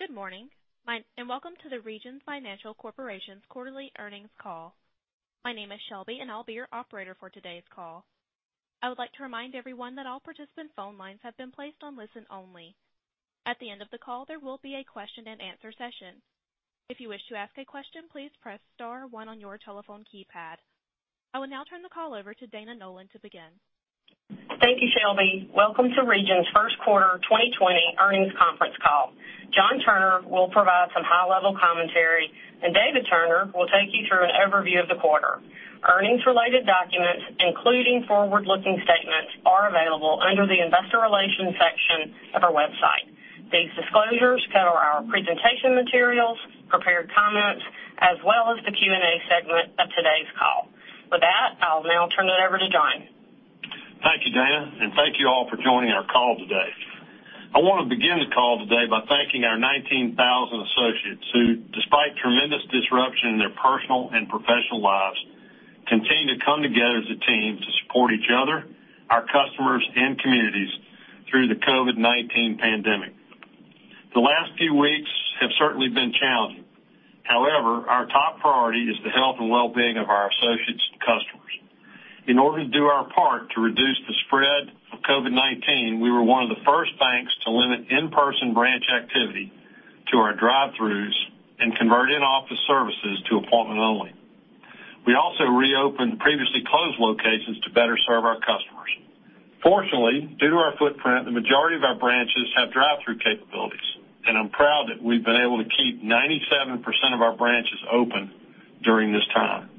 Good morning, and welcome to the Regions Financial Corporation's quarterly earnings call. My name is Shelby, and I'll be your operator for today's call. I would like to remind everyone that all participant phone lines have been placed on listen only. At the end of the call, there will be a question-and-answer session. If you wish to ask a question, please press star one on your telephone keypad. I will now turn the call over to Dana Nolan to begin. Thank you, Shelby. Welcome to Regions' first quarter 2020 earnings conference call. John Turner will provide some high-level commentary, and David Turner will take you through an overview of the quarter. Earnings-related documents, including forward-looking statements, are available under the investor relations section of our website. These disclosures cover our presentation materials, prepared comments, as well as the Q&A segment of today's call. With that, I'll now turn it over to John. Thank you, Dana. Thank you all for joining our call today. I want to begin the call today by thanking our 19,000 associates who, despite tremendous disruption in their personal and professional lives, continue to come together as a team to support each other, our customers, and communities through the COVID-19 pandemic. The last few weeks have certainly been challenging. However, our top priority is the health and wellbeing of our associates and customers. In order to do our part to reduce the spread of COVID-19, we were one of the first banks to limit in-person branch activity to our drive-throughs and convert in-office services to appointment only. We also reopened previously closed locations to better serve our customers. Fortunately, due to our footprint, the majority of our branches have drive-through capabilities, and I'm proud that we've been able to keep 97% of our branches open during this time.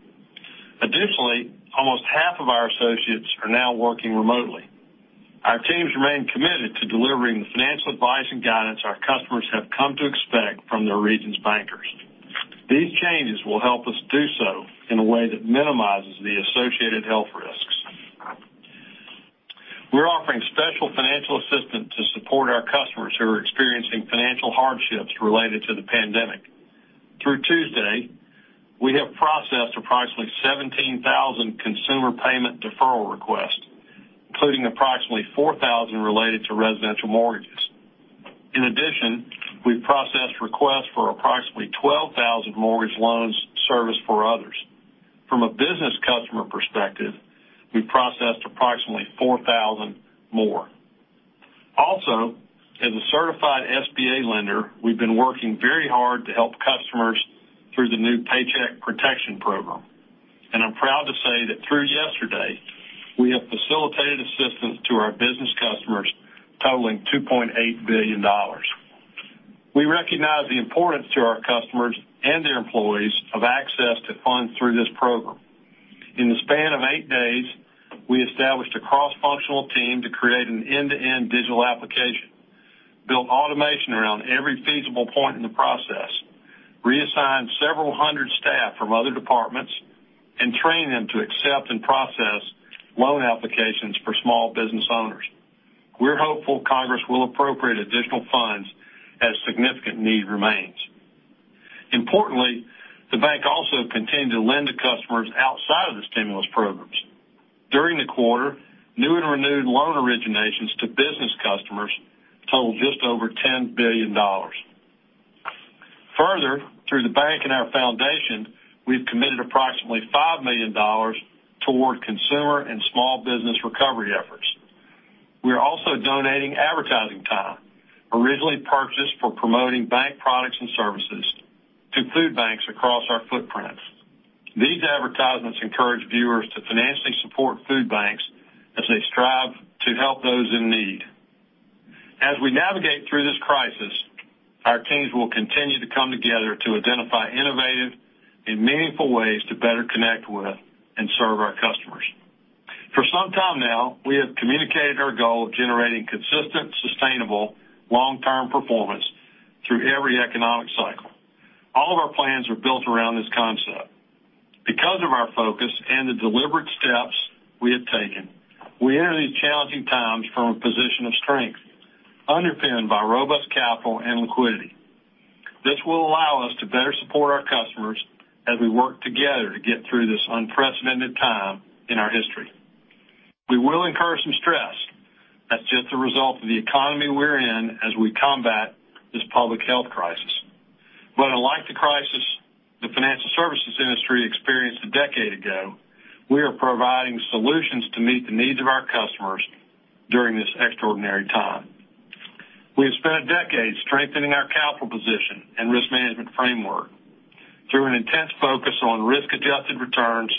Additionally, almost half of our associates are now working remotely. Our teams remain committed to delivering the financial advice and guidance our customers have come to expect from their Regions bankers. These changes will help us do so in a way that minimizes the associated health risks. We're offering special financial assistance to support our customers who are experiencing financial hardships related to the pandemic. Through Tuesday, we have processed approximately 17,000 consumer payment deferral requests, including approximately 4,000 related to residential mortgages. In addition, we've processed requests for approximately 12,000 mortgage loans serviced for others. From a business customer perspective, we've processed approximately 4,000 more. As a certified SBA lender, we've been working very hard to help customers through the new Paycheck Protection Program. I'm proud to say that through yesterday, we have facilitated assistance to our business customers totaling $2.8 billion. We recognize the importance to our customers and their employees of access to funds through this program. In the span of eight days, we established a cross-functional team to create an end-to-end digital application, built automation around every feasible point in the process, reassigned several hundred staff from other departments, and trained them to accept and process loan applications for small business owners. We're hopeful Congress will appropriate additional funds as significant need remains. Importantly, the bank also continued to lend to customers outside of the stimulus programs. During the quarter, new and renewed loan originations to business customers totaled just over $10 billion. Further, through the bank and our foundation, we've committed approximately $5 million toward consumer and small business recovery efforts. We are also donating advertising time, originally purchased for promoting bank products and services, to food banks across our footprints. These advertisements encourage viewers to financially support food banks as they strive to help those in need. As we navigate through this crisis, our teams will continue to come together to identify innovative and meaningful ways to better connect with and serve our customers. For some time now, we have communicated our goal of generating consistent, sustainable, long-term performance through every economic cycle. All of our plans are built around this concept. Because of our focus and the deliberate steps we have taken, we enter these challenging times from a position of strength, underpinned by robust capital and liquidity. This will allow us to better support our customers as we work together to get through this unprecedented time in our history. We will incur some stress. That's just a result of the economy we're in as we combat this public health crisis. Unlike the crisis the financial services industry experienced a decade ago, we are providing solutions to meet the needs of our customers during this extraordinary time. We have spent a decade strengthening our capital position and risk management framework. Through an intense focus on risk-adjusted returns,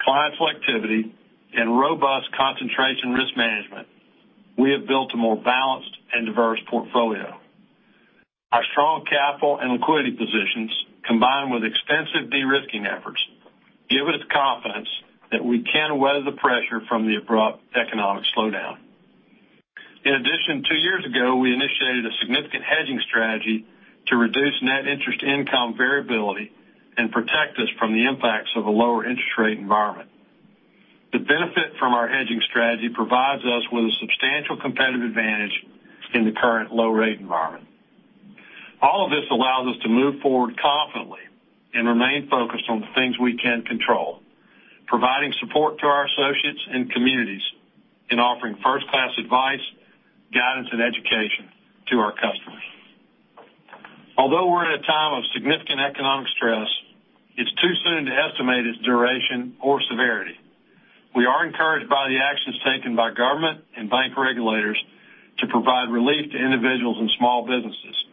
client selectivity, and robust concentration risk management, we have built a more balanced and diverse portfolio. Our strong capital and liquidity positions, combined with extensive de-risking efforts, give us confidence that we can weather the pressure from the abrupt economic slowdown. In addition, two years ago, we initiated a significant hedging strategy to reduce net interest income variability and protect us from the impacts of a lower interest rate environment. The benefit from our hedging strategy provides us with a substantial competitive advantage in the current low rate environment. All of this allows us to move forward confidently and remain focused on the things we can control, providing support to our associates and communities in offering first-class advice, guidance, and education to our customers. Although we're in a time of significant economic stress, it's too soon to estimate its duration or severity. We are encouraged by the actions taken by government and bank regulators to provide relief to individuals and small businesses,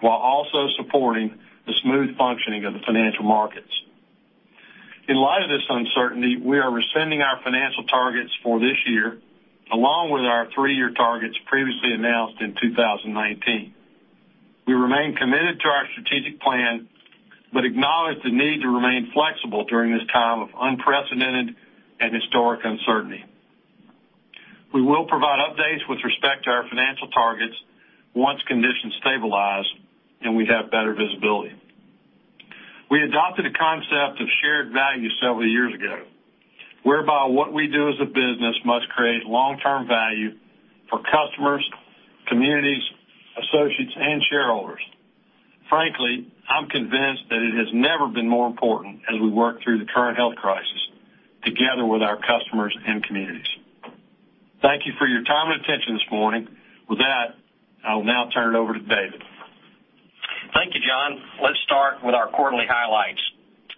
while also supporting the smooth functioning of the financial markets. In light of this uncertainty, we are rescinding our financial targets for this year, along with our three-year targets previously announced in 2019. We remain committed to our strategic plan, but acknowledge the need to remain flexible during this time of unprecedented and historic uncertainty. We will provide updates with respect to our financial targets once conditions stabilize and we have better visibility. We adopted a concept of shared value several years ago, whereby what we do as a business must create long-term value for customers, communities, associates, and shareholders. Frankly, I'm convinced that it has never been more important as we work through the current health crisis together with our customers and communities. Thank you for your time and attention this morning. With that, I will now turn it over to David. Thank you, John. Let's start with our quarterly highlights.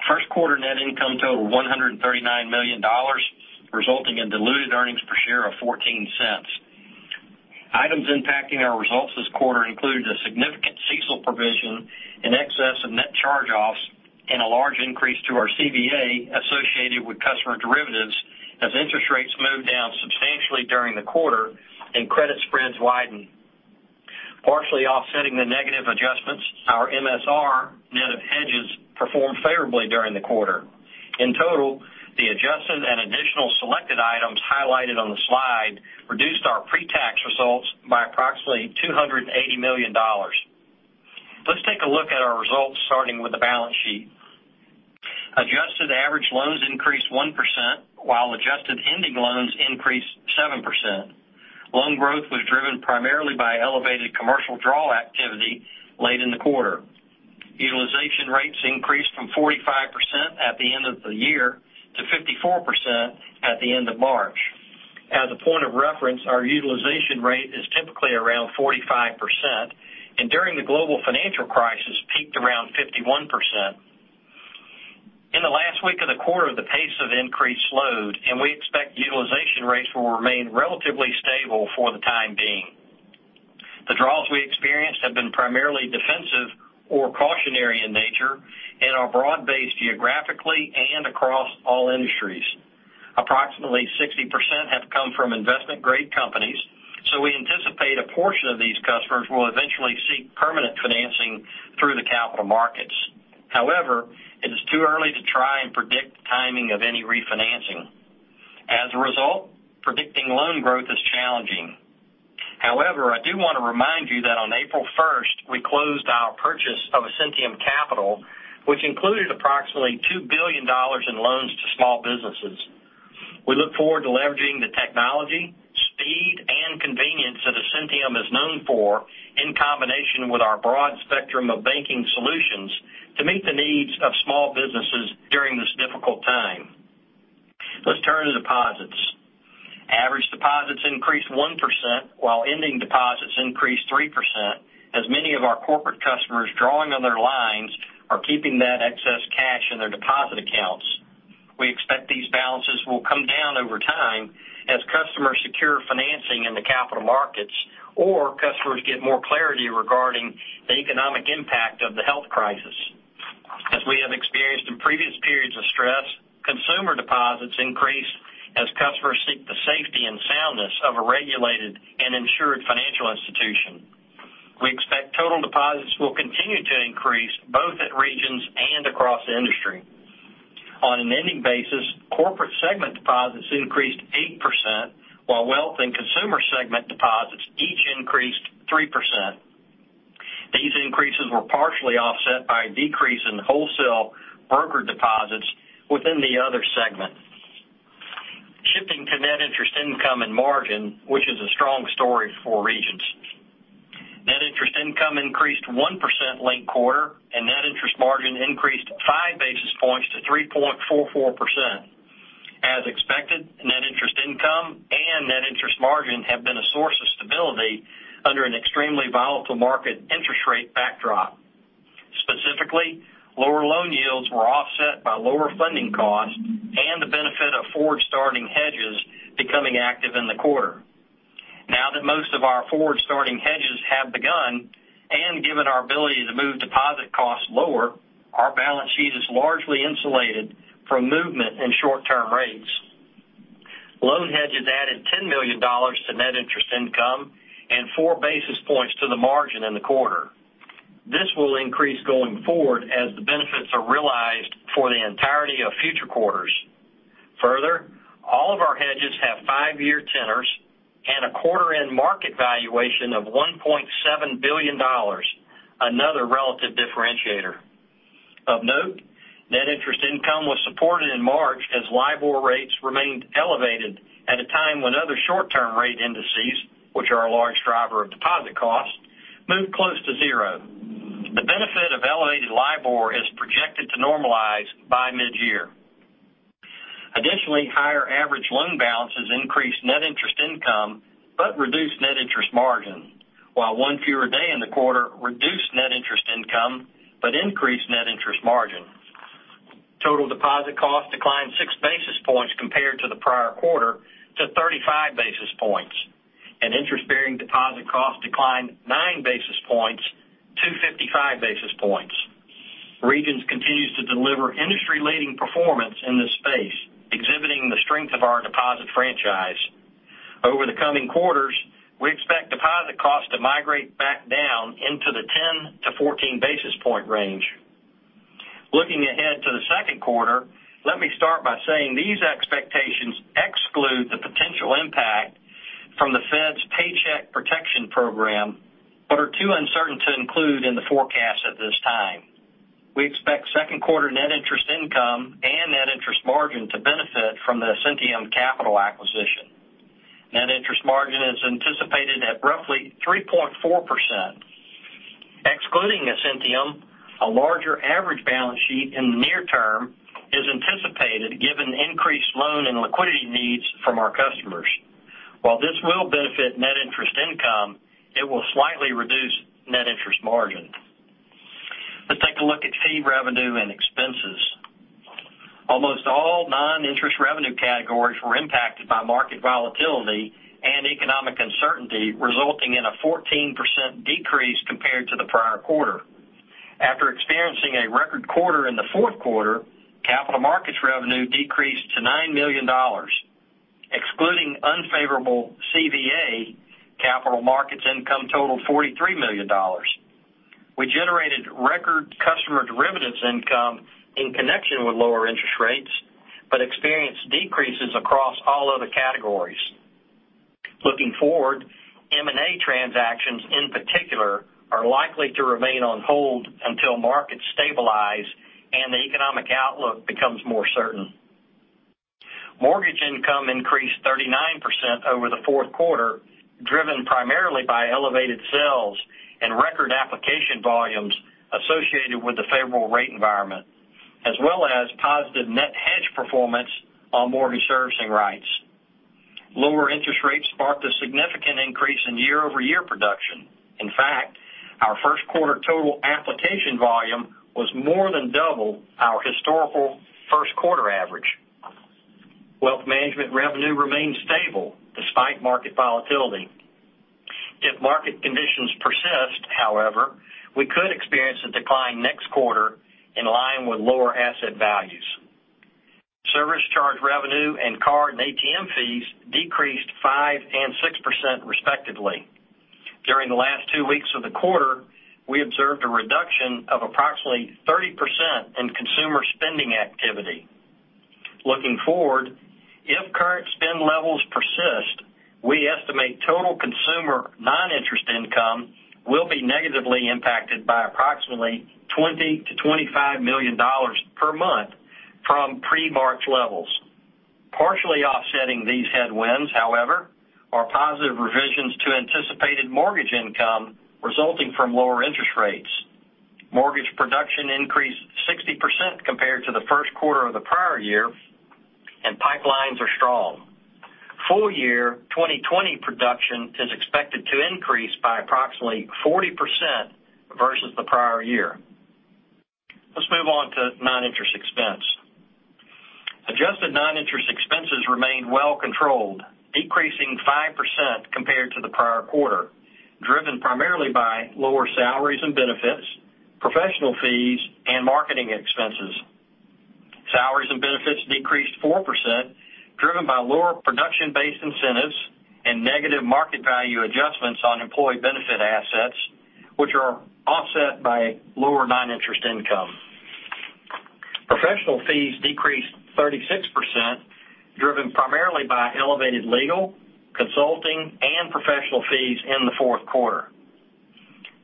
First quarter net income totaled $139 million, resulting in diluted earnings per share of $0.14. Items impacting our results this quarter included a significant CECL provision in excess of net charge-offs and a large increase to our CVA associated with customer derivatives as interest rates moved down substantially during the quarter and credit spreads widened. Partially offsetting the negative adjustments, our MSR, net of hedges, performed favorably during the quarter. In total, the adjusted and additional selected items highlighted on the slide reduced our pre-tax results by approximately $280 million. Let's take a look at our results, starting with the balance sheet. Adjusted average loans increased 1%, while adjusted ending loans increased 7%. Loan growth was driven primarily by elevated commercial draw activity late in the quarter. Utilization rates increased from 45% at the end of the year to 54% at the end of March. As a point of reference, our utilization rate is typically around 45%, and during the global financial crisis, peaked around 51%. In the last week of the quarter, the pace of increase slowed, and we expect utilization rates will remain relatively stable for the time being. The draws we experienced have been primarily defensive or cautionary in nature and are broad-based geographically and across all industries. Approximately 60% have come from investment-grade companies, so we anticipate a portion of these customers will eventually seek permanent financing through the capital markets. However, it is too early to try and predict the timing of any refinancing. As a result, predicting loan growth is challenging. However, I do want to remind you that on April 1st, we closed our purchase of Ascentium Capital, which included approximately $2 billion in loans to small businesses. We look forward to leveraging the technology, speed, and convenience that Ascentium is known for in combination with our broad spectrum of banking solutions to meet the needs of small businesses during this difficult time. Let's turn to deposits. Average deposits increased 1%, while ending deposits increased 3%, as many of our corporate customers drawing on their lines are keeping that excess cash in their deposit accounts. We expect these balances will come down over time as customers secure financing in the capital markets or customers get more clarity regarding the economic impact of the health crisis. As we have experienced in previous periods of stress, consumer deposits increased as customers seek the safety and soundness of a regulated and insured financial institution. We expect total deposits will continue to increase both at Regions and across the industry. On an ending basis, corporate segment deposits increased 8%, while wealth and consumer segment deposits each increased 3%. These increases were partially offset by a decrease in wholesale broker deposits within the other segment. Shifting to net interest income and margin, which is a strong story for Regions. net interest income increased 1% linked quarter, and net interest margin increased 5 basis points to 3.44%. As expected, net interest income and net interest margin have been a source of stability under an extremely volatile market interest rate backdrop. Specifically, lower loan yields were offset by lower funding costs and the benefit of forward starting hedges becoming active in the quarter. Now that most of our forward starting hedges have begun, and given our ability to move deposit costs lower, our balance sheet is largely insulated from movement in short-term rates. Loan hedges added $10 million to net interest income and four basis points to the margin in the quarter. This will increase going forward as the benefits are realized for the entirety of future quarters. Further, all of our hedges have five-year tenors and a quarter-end market valuation of $1.7 billion, another relative differentiator. Of note, net interest income was supported in March as LIBOR rates remained elevated at a time when other short-term rate indices, which are our large driver of deposit costs, moved close to zero. The benefit of elevated LIBOR is projected to normalize by mid-year. Additionally, higher average loan balances increased net interest income but reduced net interest margin. While one fewer day in the quarter reduced net interest income, but increased net interest margin. Total deposit costs declined 6 basis points compared to the prior quarter to 35 basis points, and interest-bearing deposit costs declined 9 basis points to 55 basis points. Regions continues to deliver industry-leading performance in this space, exhibiting the strength of our deposit franchise. Over the coming quarters, we expect deposit costs to migrate back down into the 10-14 basis point range. Looking ahead to the second quarter, let me start by saying these expectations exclude the potential impact from the Fed's Paycheck Protection Program, but are too uncertain to include in the forecast at this time. We expect second quarter net interest income and net interest margin to benefit from the Ascentium Capital acquisition. Net interest margin is anticipated at roughly 3.4%. Excluding Ascentium, a larger average balance sheet in the near term is anticipated given increased loan and liquidity needs from our customers. While this will benefit net interest income, it will slightly reduce net interest margin. Let's take a look at fee revenue and expenses. Almost all non-interest revenue categories were impacted by market volatility and economic uncertainty, resulting in a 14% decrease compared to the prior quarter. After experiencing a record quarter in the fourth quarter, capital markets revenue decreased to $9 million. Excluding unfavorable CVA, capital markets income totaled $43 million. We generated record customer derivatives income in connection with lower interest rates, but experienced decreases across all other categories. Looking forward, M&A transactions in particular are likely to remain on hold until markets stabilize and the economic outlook becomes more certain. Mortgage income increased 39% over the fourth quarter, driven primarily by elevated sales and record application volumes associated with the favorable rate environment, as well as positive net hedge performance on mortgage servicing rights. Lower interest rates sparked a significant increase in year-over-year production. In fact, our first quarter total application volume was more than double our historical first quarter average. Wealth management revenue remains stable despite market volatility. If market conditions persist, however, we could experience a decline next quarter in line with lower asset values. Service charge revenue and card and ATM fees decreased 5% and 6% respectively. During the last two weeks of the quarter, we observed a reduction of approximately 30% in consumer spending activity. Looking forward, if current spend levels persist, we estimate total consumer non-interest income will be negatively impacted by approximately $20 million-$25 million per month from pre-March levels. Partially offsetting these headwinds, however, are positive revisions to anticipated mortgage income resulting from lower interest rates. Mortgage production increased 60% compared to the first quarter of the prior year, and pipelines are strong. Full year 2020 production is expected to increase by approximately 40% versus the prior year. Let's move on to non-interest expense. Adjusted non-interest expenses remained well controlled, decreasing 5% compared to the prior quarter, driven primarily by lower salaries and benefits, professional fees, and marketing expenses. Salaries and benefits decreased 4%, driven by lower production-based incentives and negative market value adjustments on employee benefit assets, which are offset by lower non-interest income. Professional fees decreased 36%, driven primarily by elevated legal, consulting, and professional fees in the fourth quarter.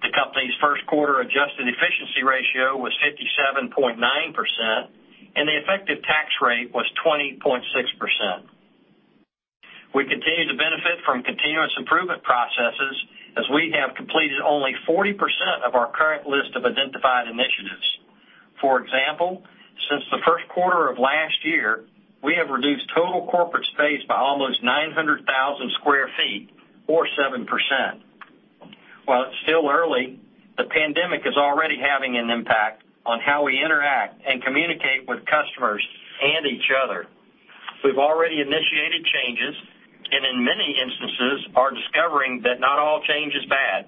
The company's first quarter adjusted efficiency ratio was 57.9%, and the effective tax rate was 20.6%. We continue to benefit from continuous improvement processes as we have completed only 40% of our current list of identified initiatives. For example, since the first quarter of last year, we have reduced total corporate space by almost 900,000 sq ft or 7%. While it's still early, the pandemic is already having an impact on how we interact and communicate with customers and each other. We've already initiated changes and in many instances are discovering that not all change is bad.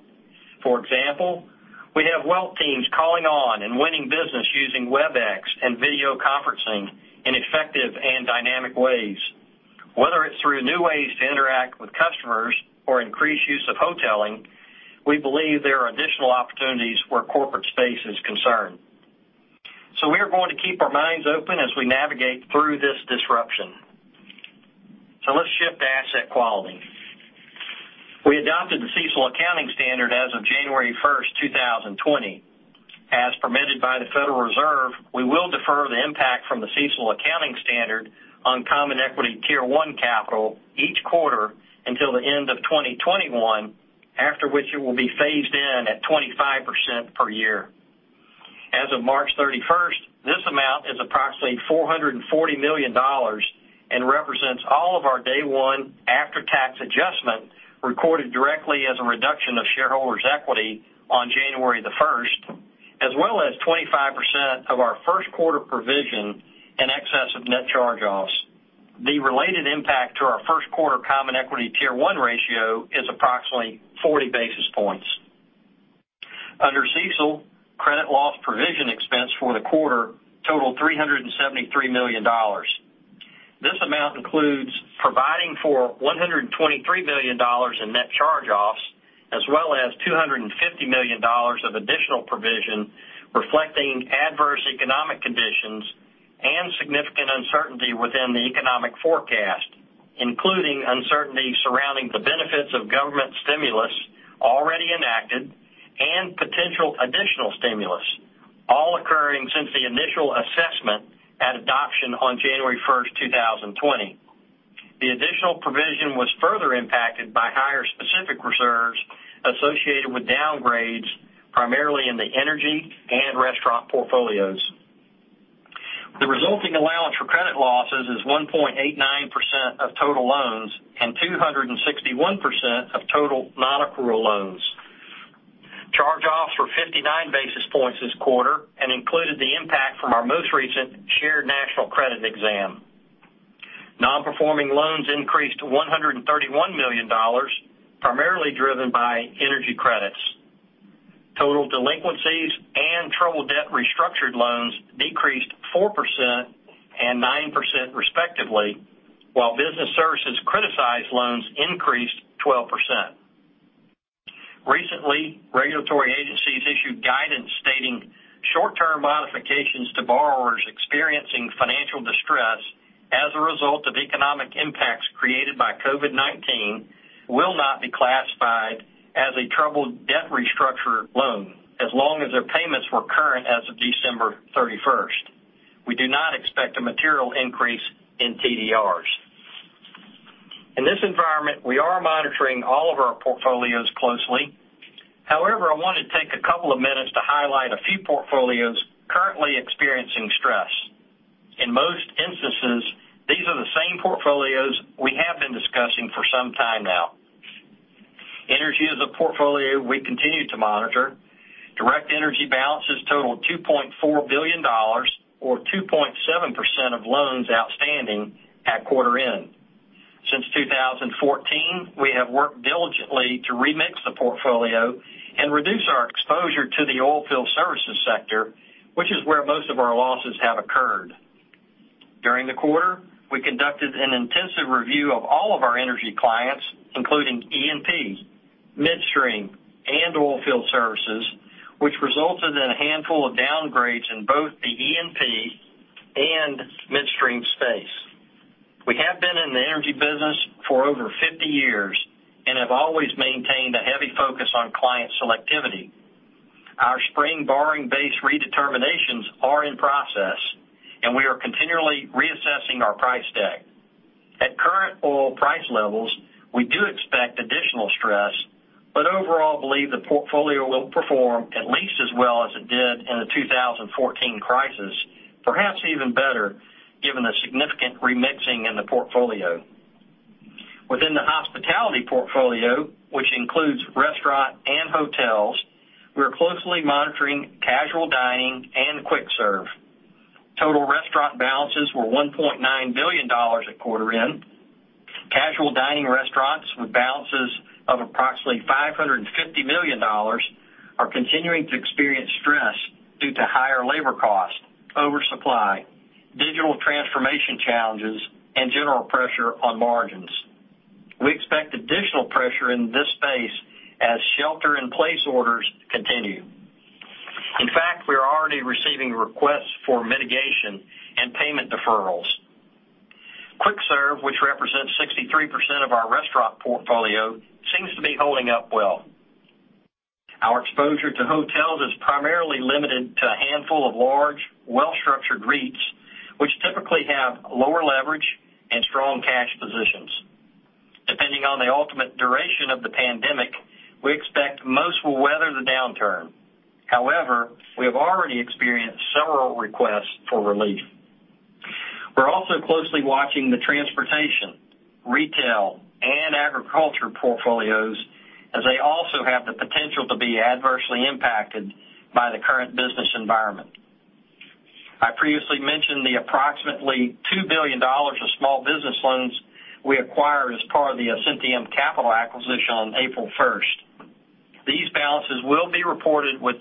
For example, we have wealth teams calling on and winning business using Webex and video conferencing in effective and dynamic ways. Whether it's through new ways to interact with customers or increased use of hoteling, we believe there are additional opportunities where corporate space is concerned. We are going to keep our minds open as we navigate through this disruption. [Fellowship Asset Quality] we adopted the CECL as of January 1st, 2020. As permitted by the Federal Reserve, we will defer the impact from the CECL accounting standard on Common Equity Tier 1 capital each quarter until the end of 2021, after which it will be phased in at 25% per year. As of March 31st, this amount is approximately $440 million and represents all of our day one after-tax adjustment recorded directly as a reduction of shareholders' equity on January the 1st, as well as 25% of our first quarter provision in excess of net charge-offs. The related impact to our first quarter Common Equity Tier 1 ratio is approximately 40 basis points. Under CECL, credit loss provision expense for the quarter totaled $373 million. This amount includes providing for $123 million in net charge-offs, as well as $250 million of additional provision reflecting adverse economic conditions and significant uncertainty within the economic forecast, including uncertainty surrounding the benefits of government stimulus already enacted and potential additional stimulus, all occurring since the initial assessment at adoption on January 1st, 2020. The additional provision was further impacted by higher specific reserves associated with downgrades, primarily in the energy and restaurant portfolios. The resulting allowance for credit losses is 1.89% of total loans and 261% of total non-accrual loans. Charge-offs were 59 basis points this quarter and included the impact from our most recent Shared National Credit exam. Non-performing loans increased to $131 million, primarily driven by energy credits. Total delinquencies and troubled debt restructured loans decreased 4% and 9% respectively, while business services criticized loans increased 12%. Recently, regulatory agencies issued guidance stating short-term modifications to borrowers experiencing financial distress as a result of economic impacts created by COVID-19 will not be classified as a troubled debt restructure loan as long as their payments were current as of December 31st. We do not expect a material increase in TDRs. In this environment, we are monitoring all of our portfolios closely. I want to take a couple of minutes to highlight a few portfolios currently experiencing stress. In most instances, these are the same portfolios we have been discussing for some time now. Energy is a portfolio we continue to monitor. Direct energy balances totaled $2.4 billion, or 2.7% of loans outstanding at quarter end. Since 2014, we have worked diligently to remix the portfolio and reduce our exposure to the oilfield services sector, which is where most of our losses have occurred. During the quarter, we conducted an intensive review of all of our energy clients, including E&P, midstream, and oilfield services, which resulted in a handful of downgrades in both the E&P and midstream space. We have been in the energy business for over 50 years and have always maintained a heavy focus on client selectivity. Our spring borrowing base redeterminations are in process, and we are continually reassessing our price deck. At current oil price levels, we do expect additional stress, but overall believe the portfolio will perform at least as well as it did in the 2014 crisis, perhaps even better given the significant remixing in the portfolio. Within the hospitality portfolio, which includes restaurant and hotels, we are closely monitoring casual dining and quick serve. Total restaurant balances were $1.9 billion at quarter end. Casual dining restaurants with balances of approximately $550 million are continuing to experience stress due to higher labor cost, oversupply, digital transformation challenges, and general pressure on margins. We expect additional pressure in this space as shelter in place orders continue. In fact, we are already receiving requests for mitigation and payment deferrals. Quick serve, which represents 63% of our restaurant portfolio, seems to be holding up well. Our exposure to hotels is primarily limited to a handful of large, well-structured REITs, which typically have lower leverage and strong cash positions. Depending on the ultimate duration of the pandemic, we expect most will weather the downturn. However, we have already experienced several requests for relief. We're also closely watching the transportation, retail, and agriculture portfolios as they also have the potential to be adversely impacted by the current business environment. I previously mentioned the approximately $2 billion of small business loans we acquired as part of the Ascentium Capital acquisition on April 1st. These balances will be reported with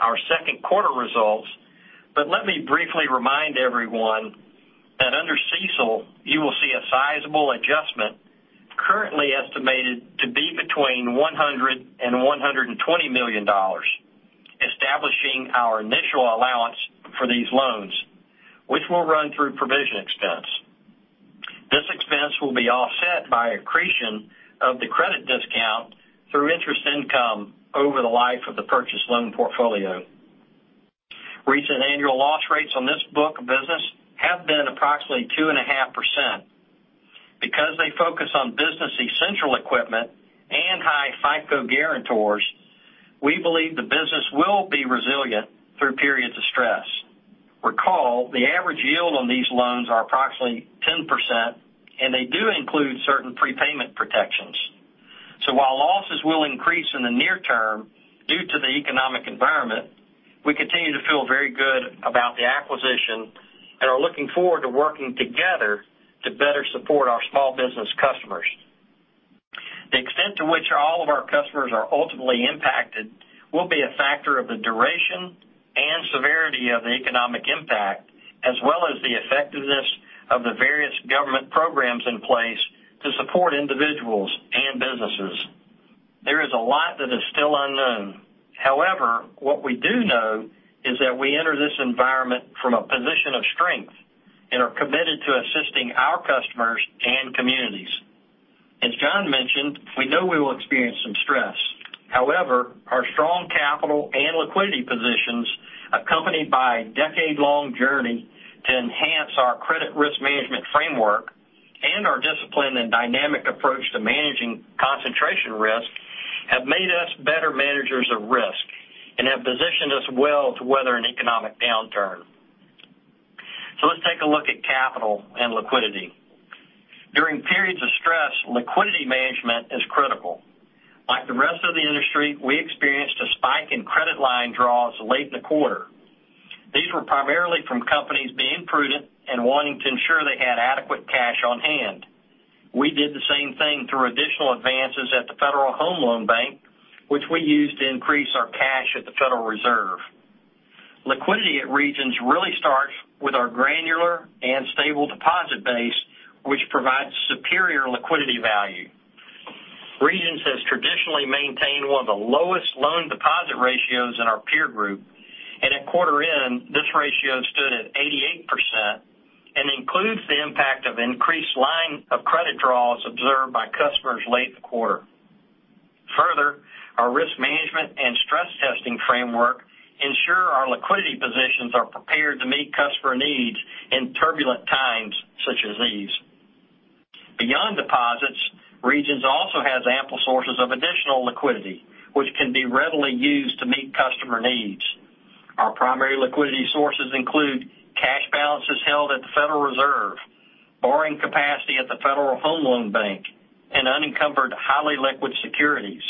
our second quarter results, but let me briefly remind everyone that under CECL, you will see a sizable adjustment currently estimated to be between $100 and $120 million, establishing our initial allowance for these loans, which will run through provision expense. Of the credit discount through interest income over the life of the purchase loan portfolio. Recent annual loss rates on this book of business have been approximately 2.5%. Because they focus on business essential equipment and high FICO guarantors, we believe the business will be resilient through periods of stress. Recall, the average yield on these loans are approximately 10%, and they do include certain prepayment protections. While losses will increase in the near term due to the economic environment, we continue to feel very good about the acquisition and are looking forward to working together to better support our small business customers. The extent to which all of our customers are ultimately impacted will be a factor of the duration and severity of the economic impact, as well as the effectiveness of the various government programs in place to support individuals and businesses. There is a lot that is still unknown. What we do know is that we enter this environment from a position of strength and are committed to assisting our customers and communities. As John mentioned, we know we will experience some stress, however, our strong capital and liquidity positions, accompanied by a decade-long journey to enhance our credit risk management framework and our discipline and dynamic approach to managing concentration risk, have made us better managers of risk and have positioned us well to weather an economic downturn. Let's take a look at capital and liquidity. During periods of stress, liquidity management is critical. Like the rest of the industry, we experienced a spike in credit line draws late in the quarter. These were primarily from companies being prudent and wanting to ensure they had adequate cash on hand. We did the same thing through additional advances at the Federal Home Loan Bank, which we used to increase our cash at the Federal Reserve. Liquidity at Regions really starts with our granular and stable deposit base, which provides superior liquidity value. Regions has traditionally maintained one of the lowest loan deposit ratios in our peer group. At quarter end, this ratio stood at 88% and includes the impact of increased line of credit draws observed by customers late in the quarter. Further, our risk management and stress testing framework ensure our liquidity positions are prepared to meet customer needs in turbulent times such as these. Beyond deposits, Regions also has ample sources of additional liquidity, which can be readily used to meet customer needs. Our primary liquidity sources include cash balances held at the Federal Reserve, borrowing capacity at the Federal Home Loan Bank, and unencumbered highly liquid securities.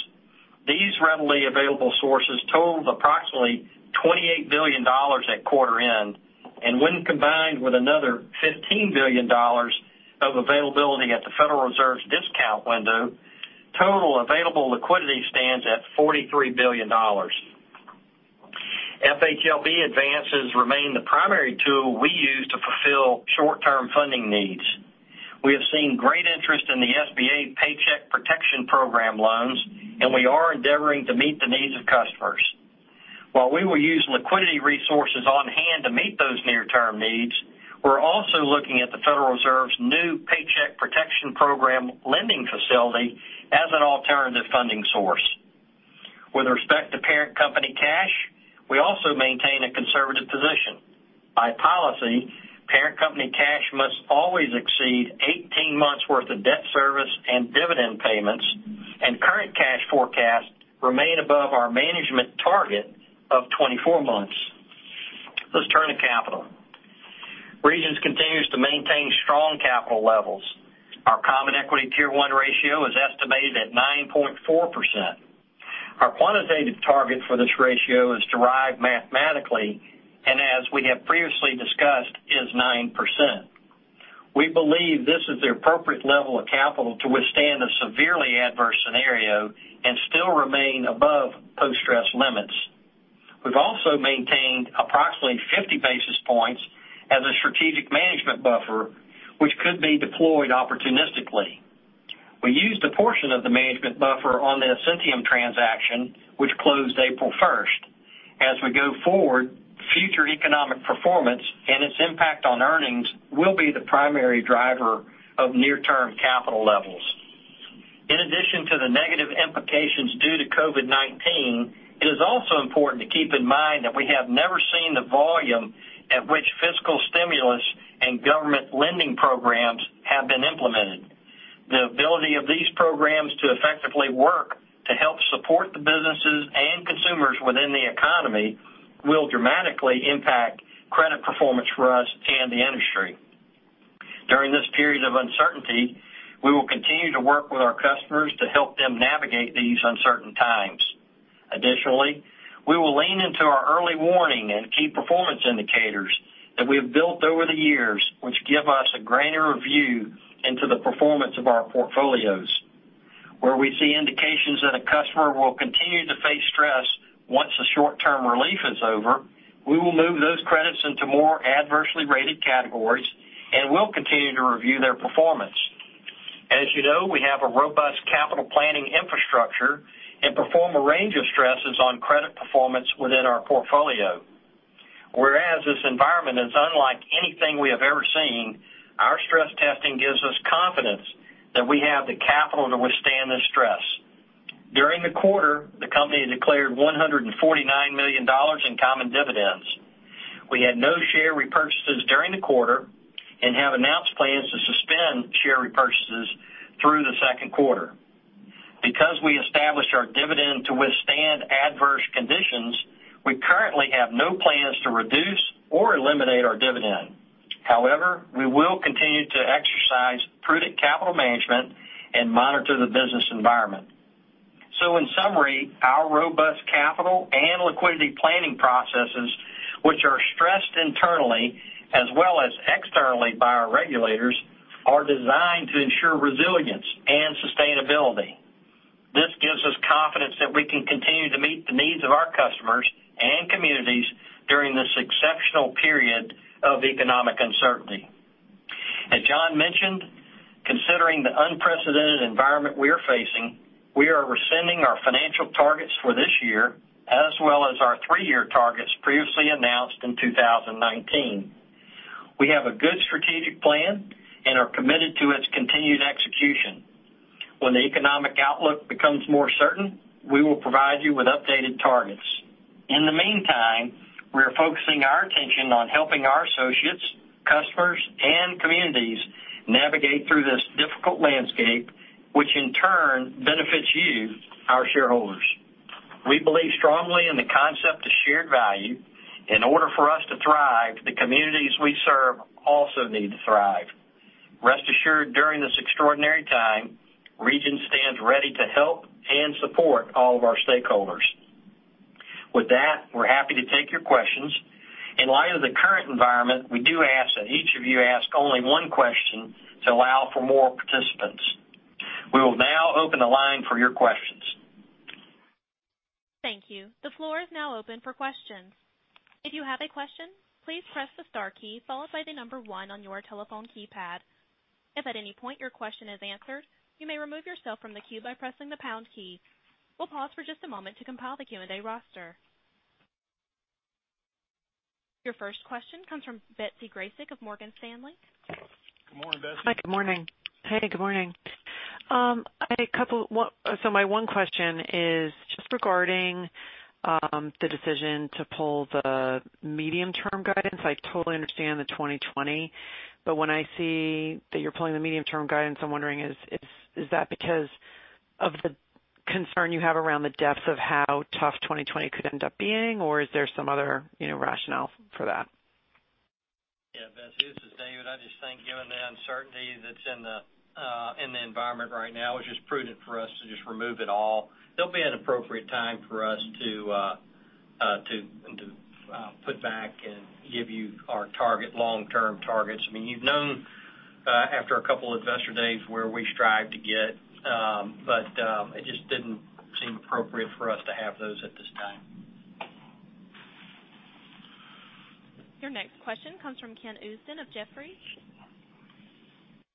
These readily available sources totaled approximately $28 billion at quarter end, and when combined with another $15 billion of availability at the Federal Reserve's discount window, total available liquidity stands at $43 billion. FHLB advances remain the primary tool we use to fulfill short-term funding needs. We have seen great interest in the SBA Paycheck Protection Program loans, we are endeavoring to meet the needs of customers. While we will use liquidity resources on hand to meet those near-term needs, we're also looking at the Federal Reserve's new Paycheck Protection Program lending facility as an alternative funding source. With respect to parent company cash, we also maintain a conservative position. By policy, parent company cash must always exceed 18 months worth of debt service and dividend payments, current cash forecasts remain above our management target of 24 months. Let's turn to capital. Regions continues to maintain strong capital levels. Our Common Equity Tier 1 ratio is estimated at 9.4%. Our quantitative target for this ratio is derived mathematically as we have previously discussed, is 9%. We believe this is the appropriate level of capital to withstand a severely adverse scenario and still remain above post-stress limits. We've also maintained approximately 50 basis points as a strategic management buffer, which could be deployed opportunistically. We used a portion of the management buffer on the Ascentium transaction, which closed April 1st. As we go forward, future economic performance and its impact on earnings will be the primary driver of near-term capital levels. In addition to the negative implications due to COVID-19, it is also important to keep in mind that we have never seen the volume at which fiscal stimulus and government lending programs have been implemented. The ability of these programs to effectively work to help support the businesses and consumers within the economy will dramatically impact credit performance for us and the industry. During this period of uncertainty, we will continue to work with our customers to help them navigate these uncertain times. Additionally, we will lean into our early warning and key performance indicators that we have built over the years, which give us a granular view into the performance of our portfolios. Where we see indications that a customer will continue to face stress once the short-term relief is over, we will move those credits into more adversely rated categories and will continue to review their performance. As you know, we have a robust capital structure and perform a range of stresses on credit performance within our portfolio. Whereas this environment is unlike anything we have ever seen, our stress testing gives us confidence that we have the capital to withstand this stress. During the quarter, the company declared $149 million in common dividends. We had no share repurchases during the quarter and have announced plans to suspend share repurchases through the second quarter. Because we established our dividend to withstand adverse conditions, we currently have no plans to reduce or eliminate our dividend. We will continue to exercise prudent capital management and monitor the business environment. In summary, our robust capital and liquidity planning processes, which are stressed internally as well as externally by our regulators, are designed to ensure resilience and sustainability. This gives us confidence that we can continue to meet the needs of our customers and communities during this exceptional period of economic uncertainty. As John mentioned, considering the unprecedented environment we are facing, we are rescinding our financial targets for this year, as well as our three-year targets previously announced in 2019. We have a good strategic plan and are committed to its continued execution. When the economic outlook becomes more certain, we will provide you with updated targets. In the meantime, we are focusing our attention on helping our associates, customers, and communities navigate through this difficult landscape, which in turn benefits you, our shareholders. We believe strongly in the concept of shared value. In order for us to thrive, the communities we serve also need to thrive. Rest assured, during this extraordinary time, Regions stands ready to help and support all of our stakeholders. With that, we're happy to take your questions. In light of the current environment, we do ask that each of you ask only one question to allow for more participants. We will now open the line for your questions. Thank you. The floor is now open for questions. If you have a question, please press the star key followed by the number one on your telephone keypad. If at any point your question is answered, you may remove yourself from the queue by pressing the pound key. We'll pause for just a moment to compile the Q&A roster. Your first question comes from Betsy Graseck of Morgan Stanley. Good morning, Betsy. Hi, good morning. Hey, good morning. My one question is just regarding the decision to pull the medium-term guidance. I totally understand the 2020, but when I see that you're pulling the medium-term guidance, I'm wondering, is that because of the concern you have around the depth of how tough 2020 could end up being, or is there some other rationale for that? Yeah, Betsy, this is David. I just think given the uncertainty that's in the environment right now, it's just prudent for us to just remove it all. There'll be an appropriate time for us to put back and give you our long-term targets. You've known after a couple of investor days where we strive to get, but it just didn't seem appropriate for us to have those at this time. Your next question comes from Ken Usdin of Jefferies.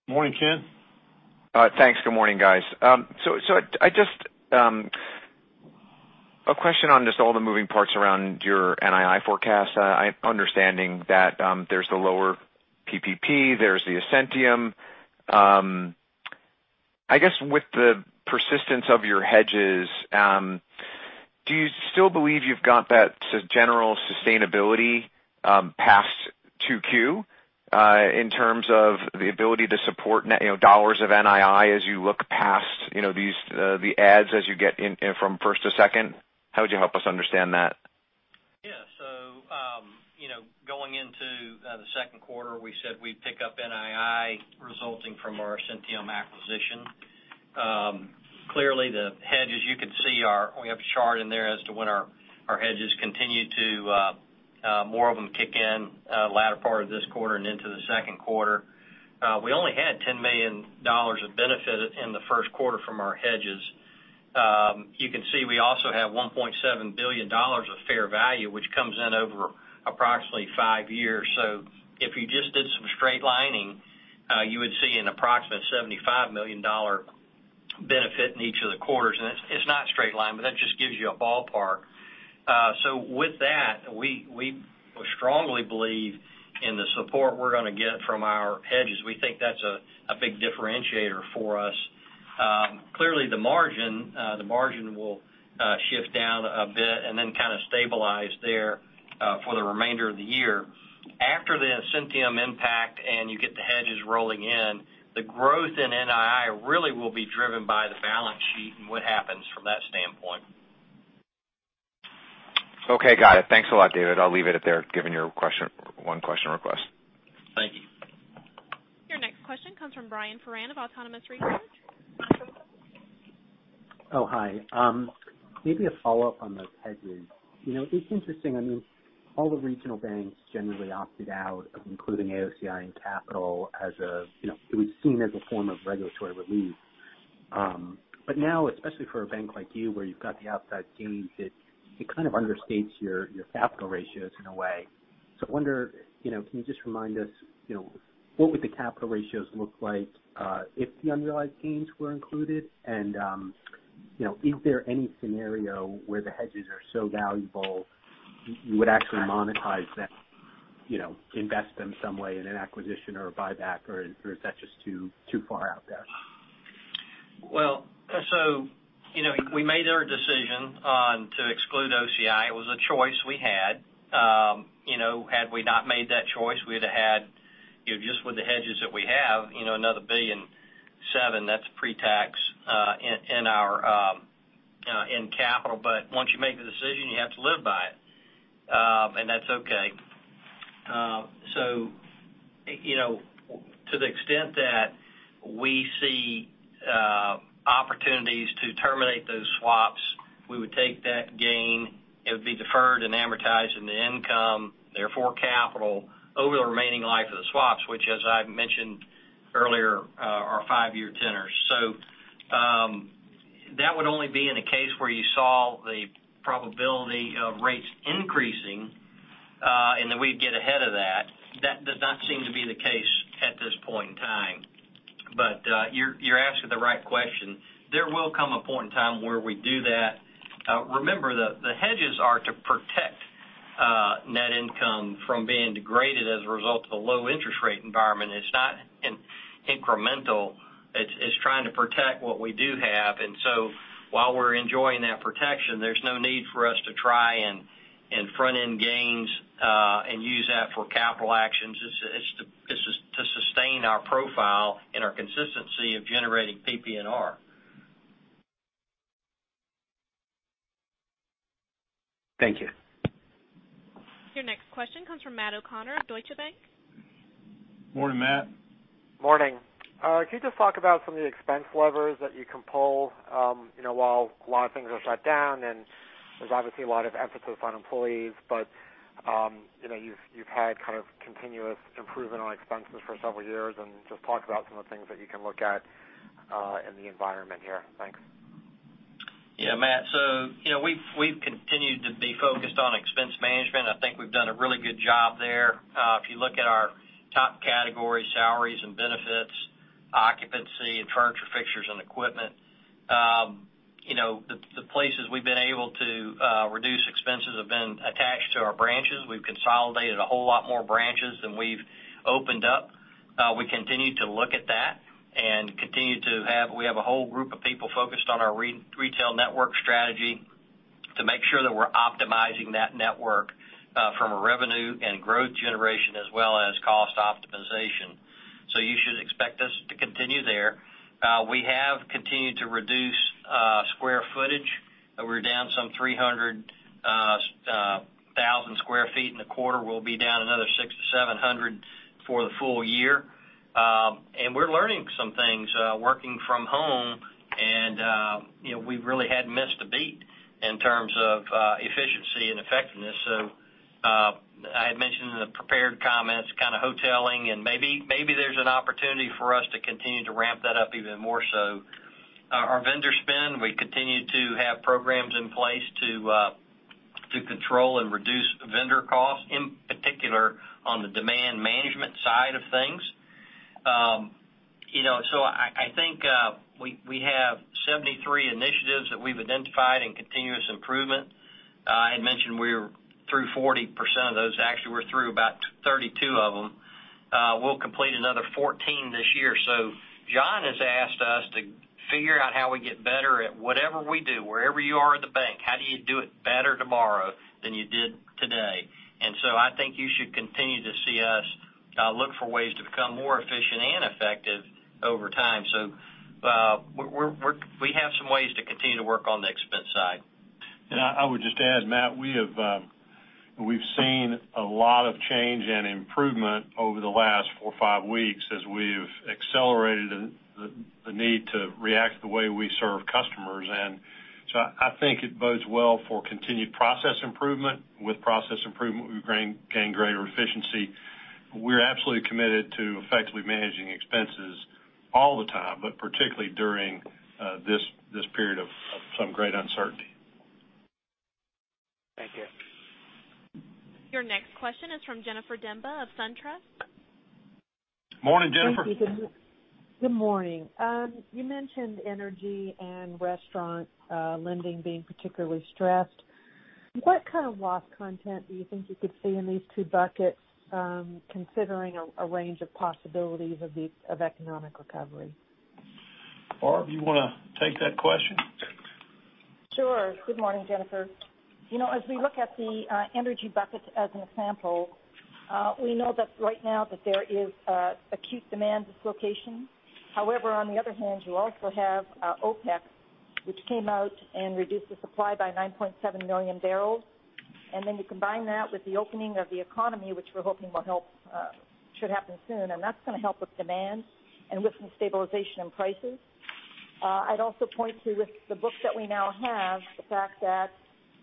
Morning, Ken. Thanks. Good morning, guys. A question on just all the moving parts around your NII forecast. I'm understanding that there's the lower PPP, there's the Ascentium. I guess with the persistence of your hedges, do you still believe you've got that general sustainability past 2Q in terms of the ability to support dollars of NII as you look past the adds as you get in from first to second? How would you help us understand that? Yeah, so, going into the second quarter, we said we'd pick up NII resulting from our Ascentium acquisition. Clearly, the hedges, you can see, we have a chart in there as to when our hedges continue to more of them kick in latter part of this quarter and into the second quarter. We only had $10 million of benefit in the first quarter from our hedges. You can see we also have $1.7 billion of fair value, which comes in over approximately five years. If you just did some straight lining, you would see an approximate $75 million benefit in each of the quarters. It's not straight line, but that just gives you a ballpark. With that, we strongly believe in the support we're going to get from our hedges. We think that's a big differentiator for us. Clearly, the margin will shift down a bit and then kind of stabilize there for the remainder of the year. After the Ascentium impact and you get the hedges rolling in, the growth in NII really will be driven by the balance sheet and what happens from that standpoint. Okay, got it. Thanks a lot, David. I'll leave it there given your one-question request. Thank you. Your next question comes from Brian Foran of Autonomous Research. Oh, hi. Maybe a follow-up on those hedges. It is interesting, all the regional banks generally opted out of including AOCI in capital as it was seen as a form of regulatory relief. Now, especially for a bank like you where you've got the outside gains, it kind of understates your capital ratios in a way. I wonder, can you just remind us, what would the capital ratios look like if the unrealized gains were included? Is there any scenario where the hedges are so valuable you would actually monetize them, invest them some way in an acquisition or a buyback, or is that just too far out there? Well, and so. You know, we made our decision to exclude OCI. It was a choice we had. Had we not made that choice, we'd have had, just with the hedges that we have, another $1.7 billion, that's pre-tax, in capital. Once you make the decision, you have to live by it. That's okay. To the extent that we see opportunities to terminate those swaps, we would take that gain, it would be deferred and amortized into income, therefore capital, over the remaining life of the swaps, which as I've mentioned earlier, are five-year tenors. That would only be in a case where you saw the probability of rates increasing, and then we'd get ahead of that. That does not seem to be the case at this point in time. You're asking the right question. There will come a point in time where we do that. Remember, the hedges are to protect net income from being degraded as a result of a low interest rate environment. It's not incremental. It's trying to protect what we do have. While we're enjoying that protection, there's no need for us to try and front-end gains, and use that for capital actions. It's to sustain our profile and our consistency of generating PPNR. Thank you. Your next question comes from Matt O'Connor at Deutsche Bank. Morning, Matt. Morning. Could you just talk about some of the expense levers that you can pull while a lot of things are shut down, and there's obviously a lot of emphasis on employees, but you've had kind of continuous improvement on expenses for several years and just talk about some of the things that you can look at in the environment here. Thanks. Yeah, Matt. We've continued to be focused on expense management. I think we've done a really good job there. If you look at our top category salaries and benefits, occupancy and furniture, fixtures and equipment. The places we've been able to reduce expenses have been attached to our branches. We've consolidated a whole lot more branches than we've opened up. We continue to look at that and we have a whole group of people focused on our retail network strategy to make sure that we're optimizing that network, from a revenue and growth generation as well as cost optimization. You should expect us to continue there. We have continued to reduce square footage. We're down some 300,000 sq ft in the quarter. We'll be down another 600 sq ft-700 sq ft for the full year. We're learning some things working from home. We really hadn't missed a beat in terms of efficiency and effectiveness. I had mentioned in the prepared comments kind of hoteling and maybe there's an opportunity for us to continue to ramp that up even more so. Our vendor spend, we continue to have programs in place to control and reduce vendor costs, in particular on the demand management side of things. I think we have 73 initiatives that we've identified in continuous improvement. I had mentioned we're through 40% of those. Actually, we're through about 32 of them. We'll complete another 14 this year. John has asked us to figure out how we get better at whatever we do, wherever you are at the bank, how do you do it better tomorrow than you did today? I think you should continue to see us look for ways to become more efficient and effective over time. We have some ways to continue to work on the expense side. I would just add, Matt, we've seen a lot of change and improvement over the last four or five weeks as we've accelerated the need to react to the way we serve customers. I think it bodes well for continued process improvement. With process improvement, we gain greater efficiency. We're absolutely committed to effectively managing expenses all the time, but particularly during this period of some great uncertainty. Thank you. Your next question is from Jennifer Demba of SunTrust. Morning, Jennifer. Thank you. Good morning. You mentioned energy and restaurant lending being particularly stressed. What kind of loss content do you think you could see in these two buckets, considering a range of possibilities of economic recovery? Barb, you want to take that question? Sure. Good morning, Jennifer. As we look at the energy bucket as an example, we know that right now that there is acute demand dislocation. However, on the other hand, you also have OPEC, which came out and reduced the supply by 9.7 million barrels. You combine that with the opening of the economy, which we're hoping should happen soon, and that's going to help with demand and with some stabilization in prices. I'd also point to the book that we now have, the fact that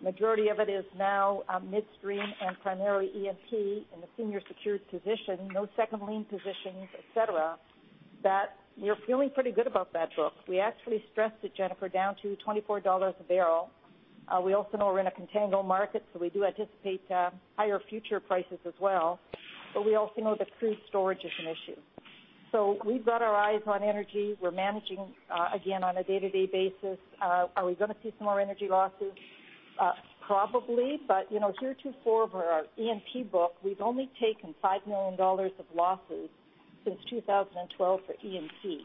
majority of it is now midstream and primarily E&P in the senior secured position, no second lien positions, et cetera. That we're feeling pretty good about that book. We actually stressed it, Jennifer, down to $24 a barrel. We also know we're in a contango market, so we do anticipate higher future prices as well, but we also know that crude storage is an issue. We've got our eyes on energy. We're managing, again, on a day-to-day basis. Are we going to see some more energy losses? Probably. Heretofore for our E&P book, we've only taken $5 million of losses since 2012 for E&P.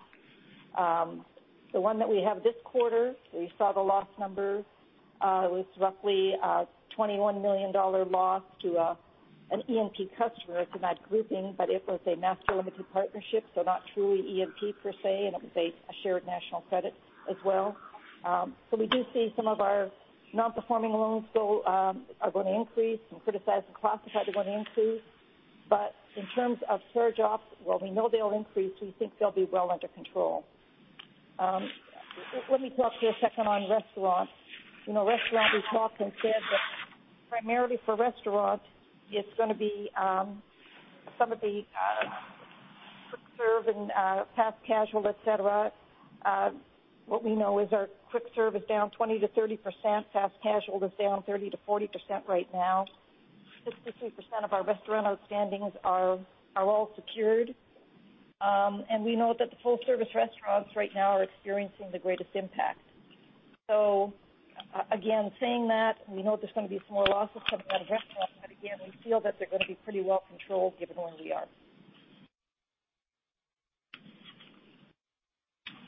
The one that we have this quarter, we saw the loss number, was roughly a $21 million loss to an E&P customer. It's not grouping, but it was a master limited partnership, so not truly E&P per se, and it was a shared national credit as well. We do see some of our non-performing loans still are going to increase and criticized and classified are going to increase. In terms of charge-offs, while we know they'll increase, we think they'll be well under control. Let me talk to you a second on restaurants. Restaurant, we talked and said that primarily for restaurants, it's going to be some of the quick serve and fast casual, et cetera. What we know is our quick serve is down 20%-30%, fast casual is down 30%-40% right now. 63% of our restaurant outstandings are all secured. We know that the full-service restaurants right now are experiencing the greatest impact. Again, saying that, we know there's going to be some more losses coming out of restaurants. Again, we feel that they're going to be pretty well controlled given where we are.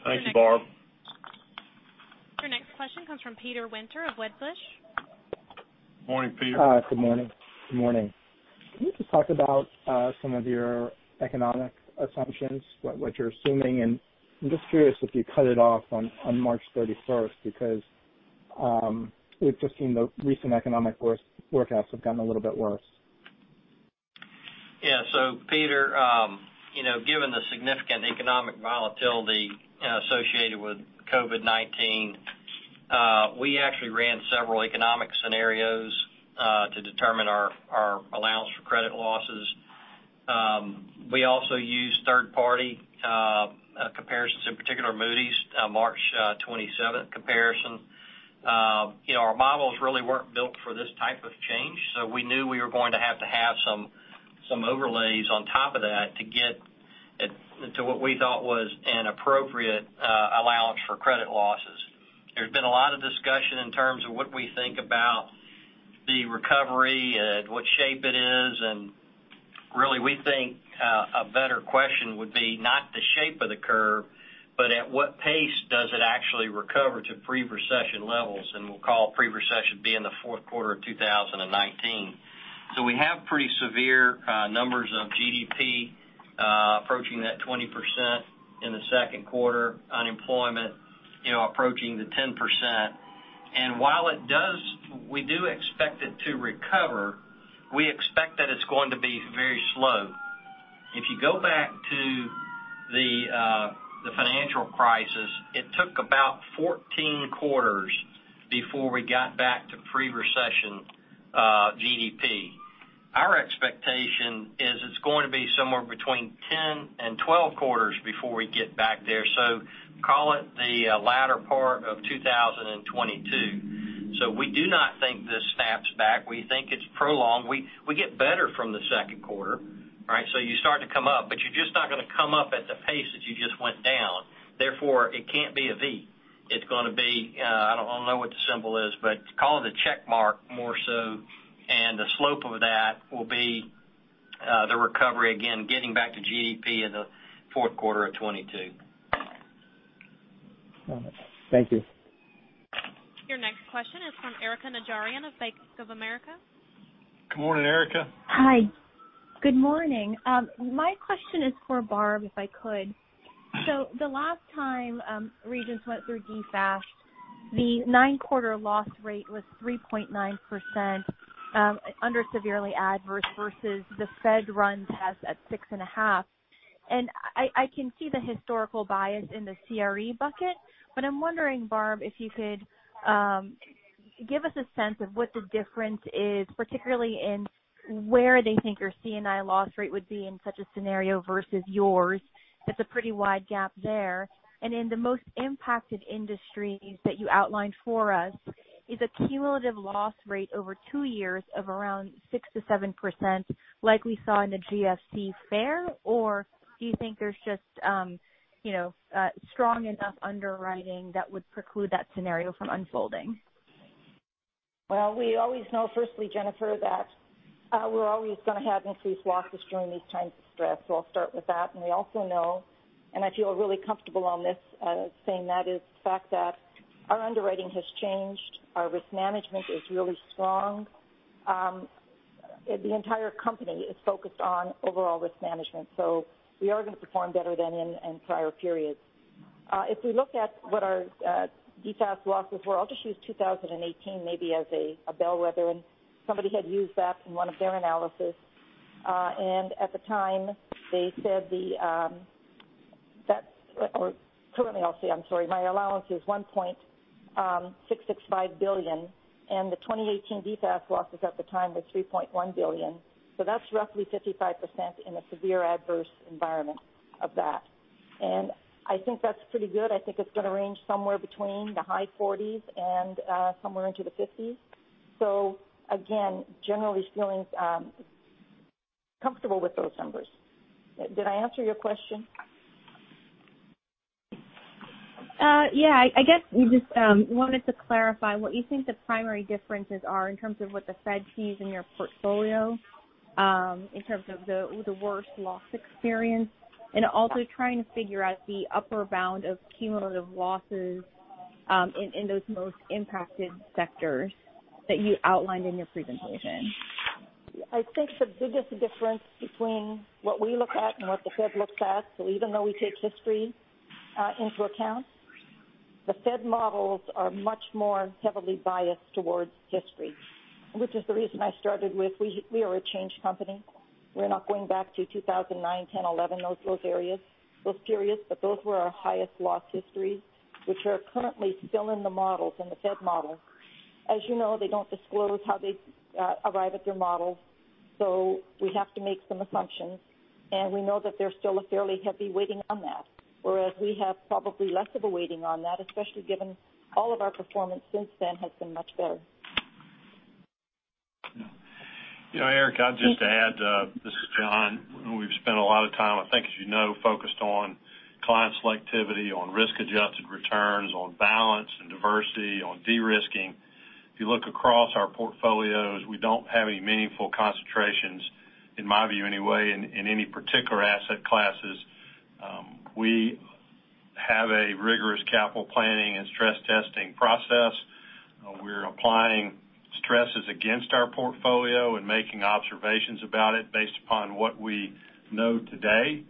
Thank you, Barb. Your next question comes from Peter Winter of Wedbush. Morning, Peter. Good morning. Can you just talk about some of your economic assumptions, what you're assuming? I'm just curious if you cut it off on March 31st, because we've just seen the recent economic forecasts have gotten a little bit worse. Yeah. Peter, given the significant economic volatility associated with COVID-19, we actually ran several economic scenarios to determine our allowance for credit losses. We also used third-party comparisons, in particular Moody's March 27th comparison. Our models really weren't built for this type of change, so we knew we were going to have to have some overlays on top of that to get to what we thought was an appropriate allowance for credit losses. There's been a lot of discussion in terms of what we think about the recovery and what shape it is, and really we think a better question would be not the shape of the curve, but at what pace does it actually recover to pre-recession levels, and we'll call pre-recession being the fourth quarter of 2019. We have pretty severe numbers of GDP approaching that 20% in the second quarter, unemployment approaching the 10%. While we do expect it to recover, we expect that it's going to be very slow. If you go back to the financial crisis, it took about 14 quarters before we got back to pre-recession GDP. Our expectation is it's going to be somewhere between 10 and 12 quarters before we get back there. Call it the latter part of 2022. We do not think this snaps back. We think it's prolonged. We get better from the second quarter. You start to come up, but you're just not going to come up at the pace that you just went down. Therefore, it can't be a V. It's going to be, I don't know what the symbol is, but call it a check mark more so, and the slope of that will be the recovery, again, getting back to GDP in the fourth quarter of 2022. All right. Thank you. Your next question is from Erika Najarian of Bank of America. Good morning, Erika. Hi. Good morning. My question is for Barb, if I could. The last time Regions went through CCAR, the nine-quarter loss rate was 3.9% under severely adverse versus the Fed run test at 6.5%. I can see the historical bias in the CRE bucket, but I'm wondering, Barb, if you could give us a sense of what the difference is, particularly in where they think your C&I loss rate would be in such a scenario versus yours. It's a pretty wide gap there. In the most impacted industries that you outlined for us, is a cumulative loss rate over two years of around 6%-7% like we saw in the GFC fair, or do you think there's just strong enough underwriting that would preclude that scenario from unfolding? Well, we always know, firstly, Jennifer, that we're always going to have increased losses during these times of stress, so I'll start with that. We also know, and I feel really comfortable on this, saying that is the fact that our underwriting has changed. Our risk management is really strong. The entire company is focused on overall risk management, so we are going to perform better than in prior periods. If we look at what our DFAST losses were, I'll just use 2018 maybe as a bellwether, and somebody had used that in one of their analysis. At the time, they said Currently, I'll say, I'm sorry, my allowance is $1.65 Billion, and the 2018 DFAST losses at the time were $3.1 billion. That's roughly 55% in a severe adverse environment of that. I think that's pretty good. I think it's going to range somewhere between the high 40s and somewhere into the 50s. Again, generally feeling comfortable with those numbers. Did I answer your question? Yeah. I guess we just wanted to clarify what you think the primary differences are in terms of what the Fed sees in your portfolio, in terms of the worst loss experience, and also trying to figure out the upper bound of cumulative losses in those most impacted sectors that you outlined in your presentation. I think the biggest difference between what we look at and what the Fed looks at, so even though we take history into account, the Fed models are much more heavily biased towards history, which is the reason I started with, we are a changed company. We're not going back to 2009, 2010, 2011, those periods. Those were our highest loss histories, which are currently still in the models, in the Fed model. As you know, they don't disclose how they arrive at their models, so we have to make some assumptions, and we know that they're still a fairly heavy weighting on that. Whereas we have probably less of a weighting on that, especially given all of our performance since then has been much better. Yeah. Erika, I'll just add, this is John. We've spent a lot of time, I think as you know, focused on client selectivity, on risk-adjusted returns, on balance and diversity, on de-risking. If you look across our portfolios, we don't have any meaningful concentrations, in my view anyway, in any particular asset classes. We have a rigorous capital planning and stress testing process. We're applying stresses against our portfolio and making observations about it based upon what we know today.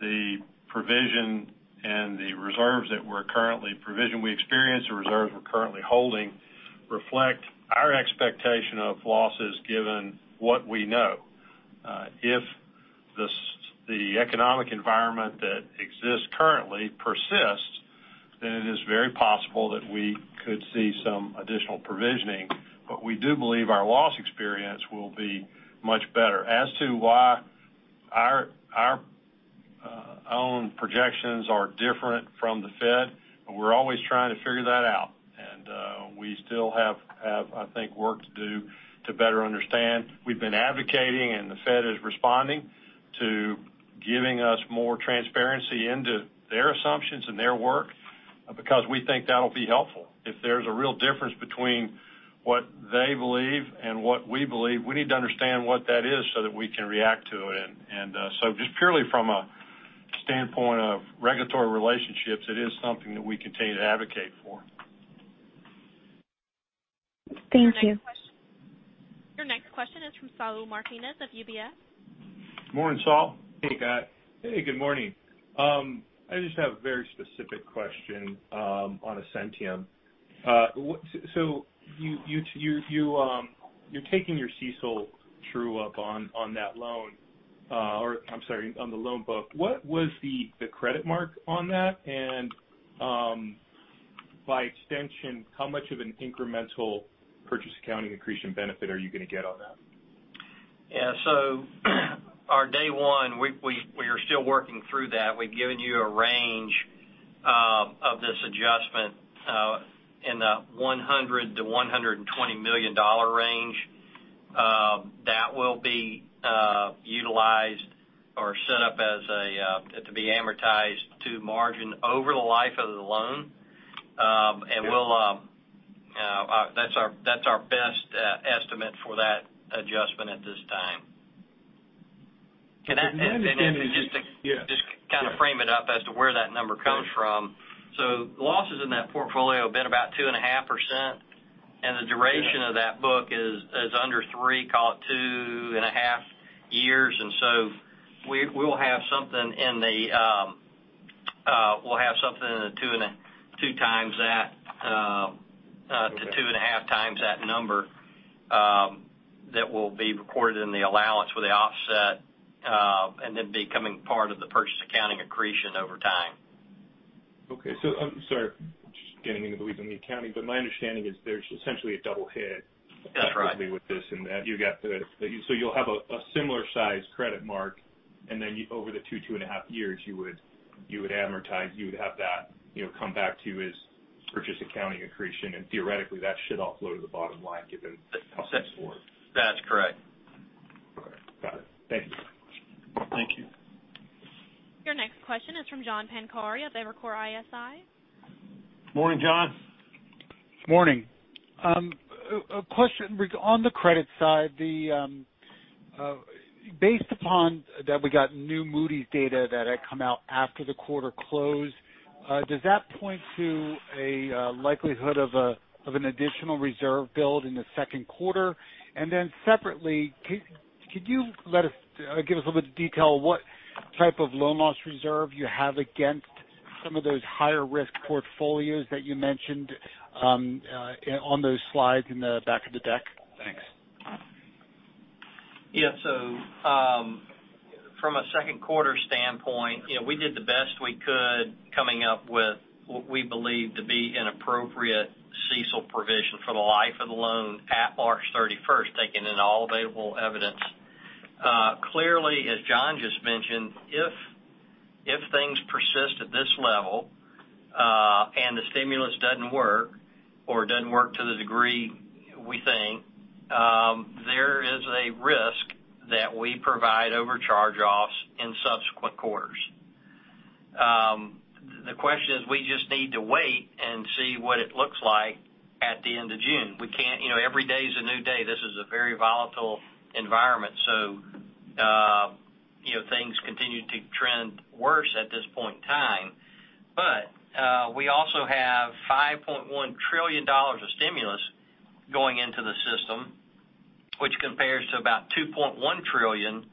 The provision and the reserves that we're currently we experience, the reserves we're currently holding reflect our expectation of losses given what we know. If the economic environment that exists currently persists, then it is very possible that we could see some additional provisioning. We do believe our loss experience will be much better. As to why our own projections are different from the Fed, we're always trying to figure that out. We still have, I think, work to do to better understand. We've been advocating, and the Fed is responding to giving us more transparency into their assumptions and their work because we think that'll be helpful. If there's a real difference between what they believe and what we believe, we need to understand what that is so that we can react to it. Just purely from a standpoint of regulatory relationships, it is something that we continue to advocate for. Thank you. Your next question is from Saul Martinez of UBS. Morning, Saul. Hey, Saul. Hey, good morning. I just have a very specific question on Ascentium. You're taking your CECL true-up on that loan. I'm sorry, on the loan book. What was the credit mark on that? By extension, how much of an incremental purchase accounting accretion benefit are you going to get on that? Yeah. So, our day one, we are still working through that. We've given you a range of this adjustment in the $100 million-$120 million range that will be utilized or set up to be amortized to margin over the life of the loan. Yeah. That's our best estimate for that adjustment at this time. My understanding is yeah. Just kind of frame it up as to where that number comes from. Losses in that portfolio have been about 2.5%, and the duration of that book is under three, call it two and a half years. We'll have something in the two times that. Okay. To two and a half times that number that will be recorded in the allowance with the offset, and then becoming part of the purchase accounting accretion over time. Okay. I'm sorry, just getting into the weeds on the accounting. My understanding is there's essentially a double hit. That's right. With this and you'll have a similar size credit mark, and then over the two and a half years you would amortize, you would have that come back to you as purchase accounting accretion, and theoretically, that should all flow to the bottom line. That's correct. Okay. Got it. Thank you. Thank you. Your next question is from John Pancari of Evercore ISI. Morning, John. Morning. A question on the credit side. Based upon that we got new Moody's data that had come out after the quarter closed, does that point to a likelihood of an additional reserve build in the second quarter? Separately, could you give us a little bit of detail what type of loan loss reserve you have against some of those higher risk portfolios that you mentioned on those slides in the back of the deck? Yeah. From a second quarter standpoint, we did the best we could coming up with what we believe to be an appropriate CECL provision for the life of the loan at March 31st, taking in all available evidence. Clearly, as John just mentioned, if things persist at this level, and the stimulus doesn't work or doesn't work to the degree we think, there is a risk that we provide over charge-offs in subsequent quarters. The question is, we just need to wait and see what it looks like at the end of June. Every day is a new day. This is a very volatile environment, so things continue to trend worse at this point in time. We also have $5.1 trillion of stimulus going into the system, which compares to about $2.1 trillion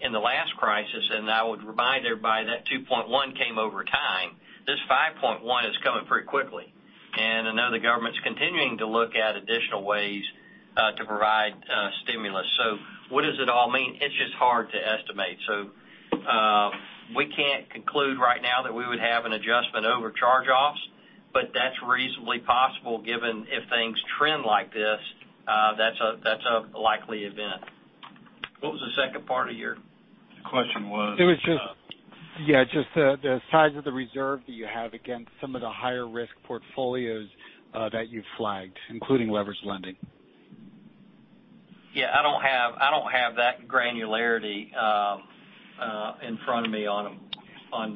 in the last crisis. I would remind everybody that $2.1 came over time. This $5.1 is coming pretty quickly. I know the government's continuing to look at additional ways to provide stimulus. What does it all mean? It's just hard to estimate. We can't conclude right now that we would have an adjustment over charge-offs, but that's reasonably possible given if things trend like this, that's a likely event. What was the second part of your? The question was. It was just the size of the reserve that you have against some of the higher-risk portfolios that you've flagged, including leverage lending. Yeah, I don't have that granularity in front of me on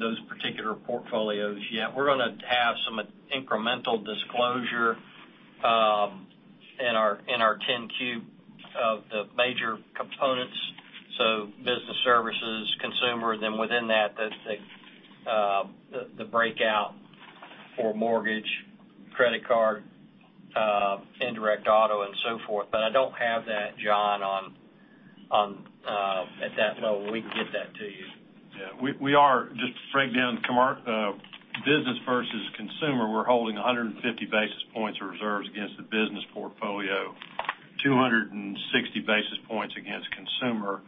those particular portfolios yet. We're going to have some incremental disclosure in our 10-Q of the major components. Business services, consumer, then within that, the breakout for mortgage, credit card, indirect auto and so forth. I don't have that, John, at that level. We can get that to you. Yeah. Just to break down business versus consumer, we're holding 150 basis points of reserves against the business portfolio, 260 basis points against consumer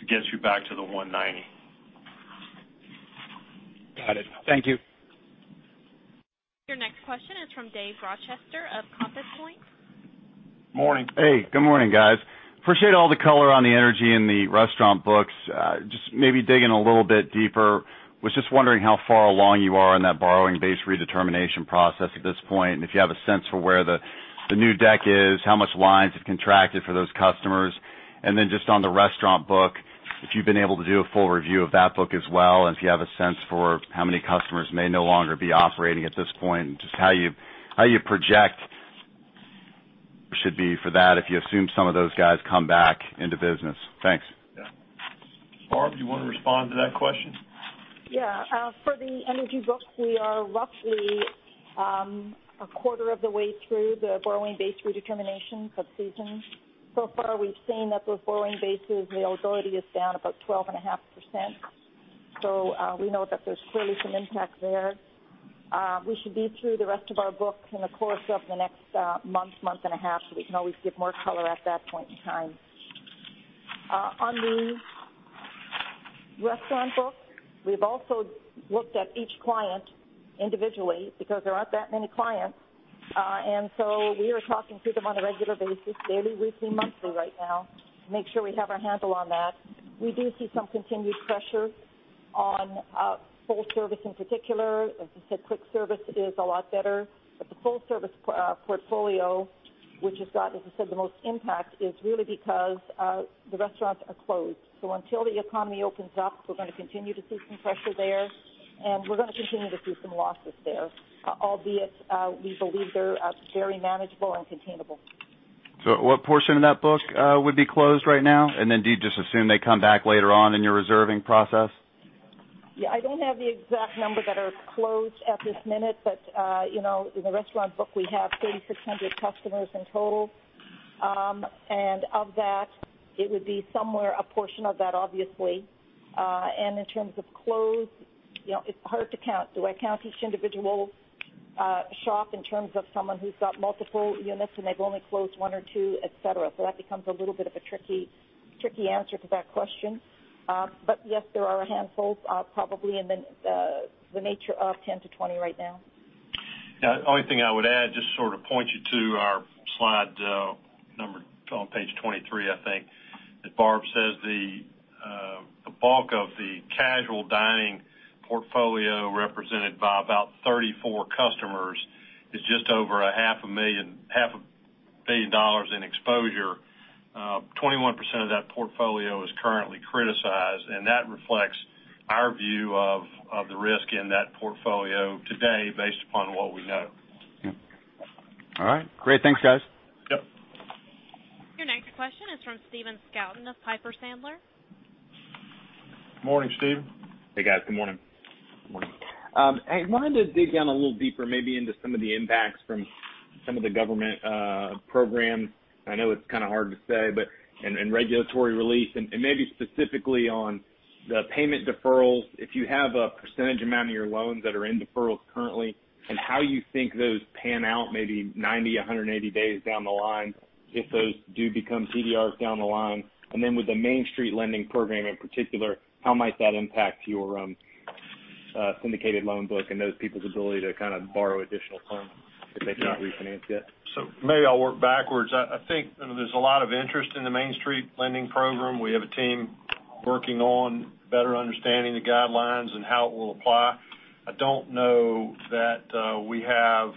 to get you back to the 190. Got it. Thank you. Your next question is from Dave Rochester of Compass Point. Morning. Hey, good morning, guys. Appreciate all the color on the energy in the restaurant books. Just maybe digging a little bit deeper. Was just wondering how far along you are on that borrowing base redetermination process at this point and if you have a sense for where the new deck is, how much lines have contracted for those customers. Just on the restaurant book, if you've been able to do a full review of that book as well, and if you have a sense for how many customers may no longer be operating at this point, and just how you project should be for that if you assume some of those guys come back into business. Thanks. Yeah. Barb, do you want to respond to that question? Yeah. For the energy books, we are roughly a quarter of the way through the borrowing base redetermination subseason. So far, we've seen that those borrowing bases availability is down about 12.5%. We know that there's clearly some impact there. We should be through the rest of our books in the course of the next month and a half, so we can always give more color at that point in time. On the restaurant book, we've also looked at each client individually because there aren't that many clients. We are talking to them on a regular basis, daily, weekly, monthly right now to make sure we have our handle on that. We do see some continued pressure on full service in particular. As I said, quick service is a lot better. The full service portfolio, which has got, as I said, the most impact is really because the restaurants are closed. Until the economy opens up, we're going to continue to see some pressure there, and we're going to continue to see some losses there, albeit, we believe they're very manageable and containable. What portion of that book would be closed right now? Do you just assume they come back later on in your reserving process? Yeah, I don't have the exact number that are closed at this minute. In the restaurant book, we have 3,600 customers in total. Of that, it would be somewhere a portion of that, obviously. In terms of closed, it's hard to count. Do I count each individual shop in terms of someone who's got multiple units and they've only closed one or two, et cetera? That becomes a little bit of a tricky answer to that question. Yes, there are a handful, probably in the nature of 10-20 right now. The only thing I would add, just sort of point you to our slide on page 23, I think. As Barb says, the bulk of the casual dining portfolio represented by about 34 customers is just over a $500 million in exposure. 21% of that portfolio is currently criticized, and that reflects our view of the risk in that portfolio today based upon what we know. Yep. All right. Great. Thanks, guys. Yep. Your next question is from Stephen Scouten of Piper Sandler. Morning, Steve. Hey, guys. Good morning. I wanted to dig down a little deeper, maybe into some of the impacts from some of the government programs. I know it's kind of hard to say, but in regulatory relief and maybe specifically on the payment deferrals, if you have a percentage amount of your loans that are in deferrals currently, and how you think those pan out, maybe 90-180 days down the line, if those do become TDRs down the line. With the Main Street Lending Program in particular, how might that impact your syndicated loan book and those people's ability to kind of borrow additional funds if they've not refinanced yet? Maybe I'll work backwards. I think there's a lot of interest in the Main Street Lending Program. We have a team working on better understanding the guidelines and how it will apply. I don't know that we have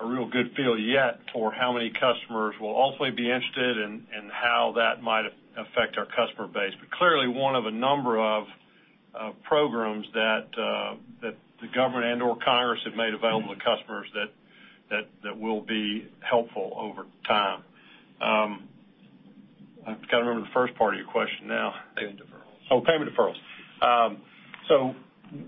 a real good feel yet for how many customers will ultimately be interested and how that might affect our customer base. Clearly, one of a number of programs that the government and/or Congress have made available to customers that will be helpful over time. I've got to remember the first part of your question now. Payment deferrals. Payment deferrals.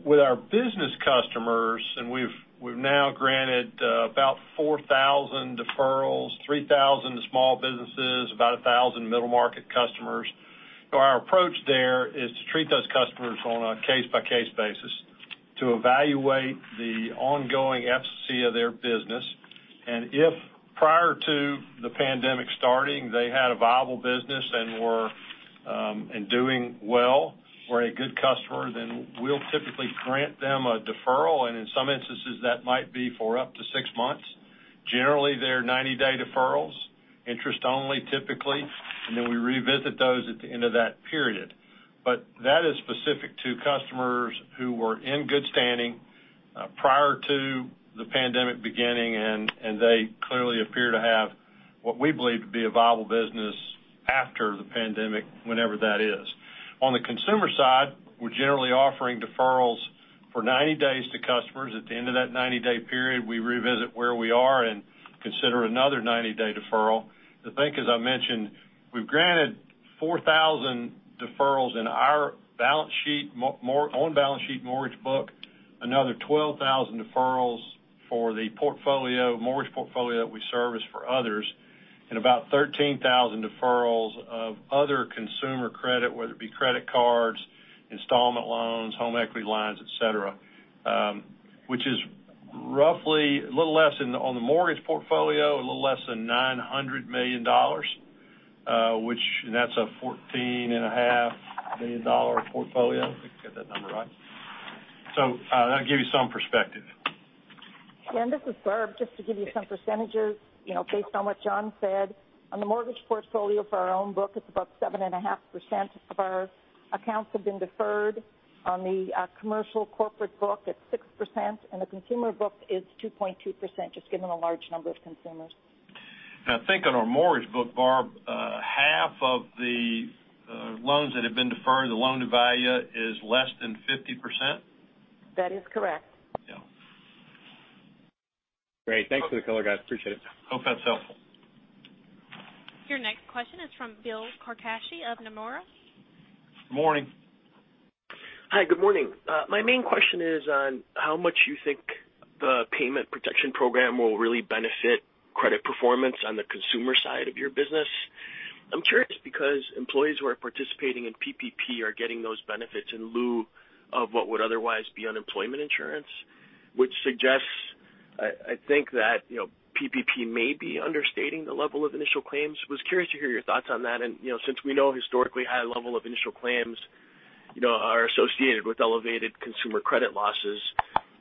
With our business customers, and we've now granted about 4,000 deferrals, 3,000 to small businesses, about 1,000 middle-market customers. Our approach there is to treat those customers on a case-by-case basis to evaluate the ongoing efficacy of their business. If prior to the pandemic starting, they had a viable business and doing well, were a good customer, then we'll typically grant them a deferral, and in some instances, that might be for up to six months. Generally, they're 90-day deferrals, interest only, typically, and then we revisit those at the end of that period. That is specific to customers who were in good standing prior to the pandemic beginning, and they clearly appear to have what we believe to be a viable business after the pandemic, whenever that is. On the consumer side, we're generally offering deferrals for 90 days to customers. At the end of that 90-day period, we revisit where we are and consider another 90-day deferral. To think, as I mentioned, we've granted 4,000 deferrals in our own balance sheet mortgage book, another 12,000 deferrals for the mortgage portfolio that we service for others, and about 13,000 deferrals of other consumer credit, whether it be credit cards, installment loans, home equity lines, et cetera, which is roughly a little less on the mortgage portfolio, a little less than $900 million, and that's a $14.5 million portfolio. I think I got that number right. That'll give you some perspective. Yeah, and this is Barb, just to give you some percentages based on what John said. On the mortgage portfolio for our own book, it's about 7.5% of our accounts have been deferred. On the commercial corporate book, it's 6%, and the consumer book is 2.2%, just given the large number of consumers. I think on our mortgage book, Barb, half of the loans that have been deferred, the loan-to-value is less than 50%. That is correct. Yeah. Great. Thanks for the color, guys. Appreciate it. Hope that's helpful. Your next question is from Bill Carcache of Nomura. Morning. Hi, good morning. My main question is on how much you think the Paycheck Protection Program will really benefit credit performance on the consumer side of your business. I'm curious because employees who are participating in PPP are getting those benefits in lieu of what would otherwise be unemployment insurance, which suggests, I think that PPP may be understating the level of initial claims. Was curious to hear your thoughts on that. Since we know historically high level of initial claims are associated with elevated consumer credit losses,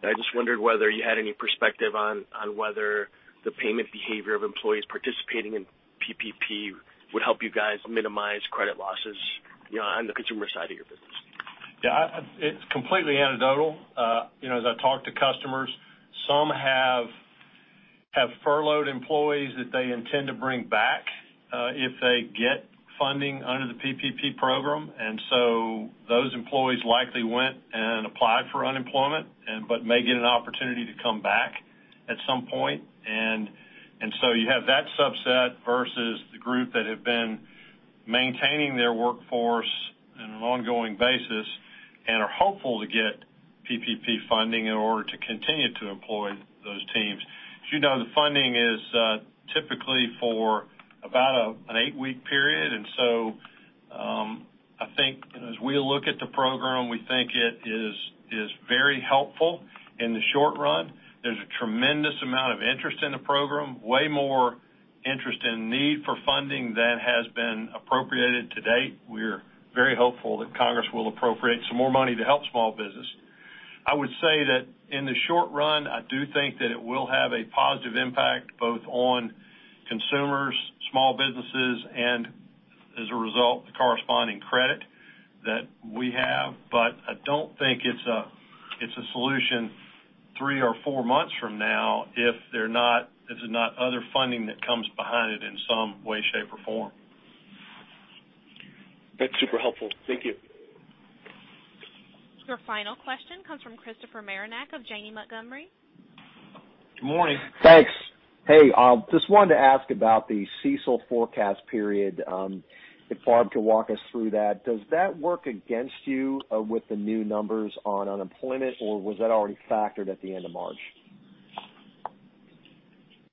I just wondered whether you had any perspective on whether the payment behavior of employees participating in PPP would help you guys minimize credit losses on the consumer side of your business. Yeah. It's completely anecdotal. As I talk to customers, some have furloughed employees that they intend to bring back if they get funding under the PPP program. Those employees likely went and applied for unemployment, but may get an opportunity to come back at some point. You have that subset versus the group that have been maintaining their workforce in an ongoing basis and are hopeful to get PPP funding in order to continue to employ those teams. As you know, the funding is typically for about an eight-week period. I think as we look at the program, we think it is very helpful in the short run. There's a tremendous amount of interest in the program, way more interest and need for funding than has been appropriated to date. We're very hopeful that Congress will appropriate some more money to help small business. I would say that in the short run, I do think that it will have a positive impact, both on consumers, small businesses, and as a result, the corresponding credit that we have. I don't think it's a solution three or four months from now if there's not other funding that comes behind it in some way, shape, or form. That's super helpful. Thank you. Your final question comes from Christopher Marinac of Janney Montgomery. Good morning. Thanks. Hey, just wanted to ask about the CECL forecast period, if Barb can walk us through that. Does that work against you with the new numbers on unemployment, or was that already factored at the end of March?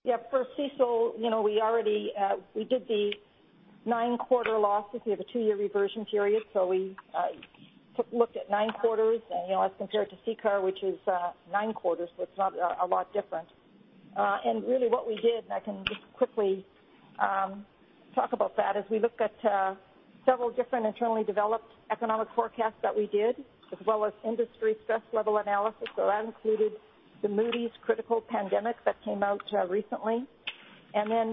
Yeah. For CECL, we did the nine-quarter losses. We have a two-year reversion period, we looked at nine quarters as compared to CCAR, which is nine quarters. It's not a lot different. Really what we did, and I can just quickly talk about that, is we looked at several different internally developed economic forecasts that we did, as well as industry stress level analysis. That included the Moody's critical pandemic that came out recently.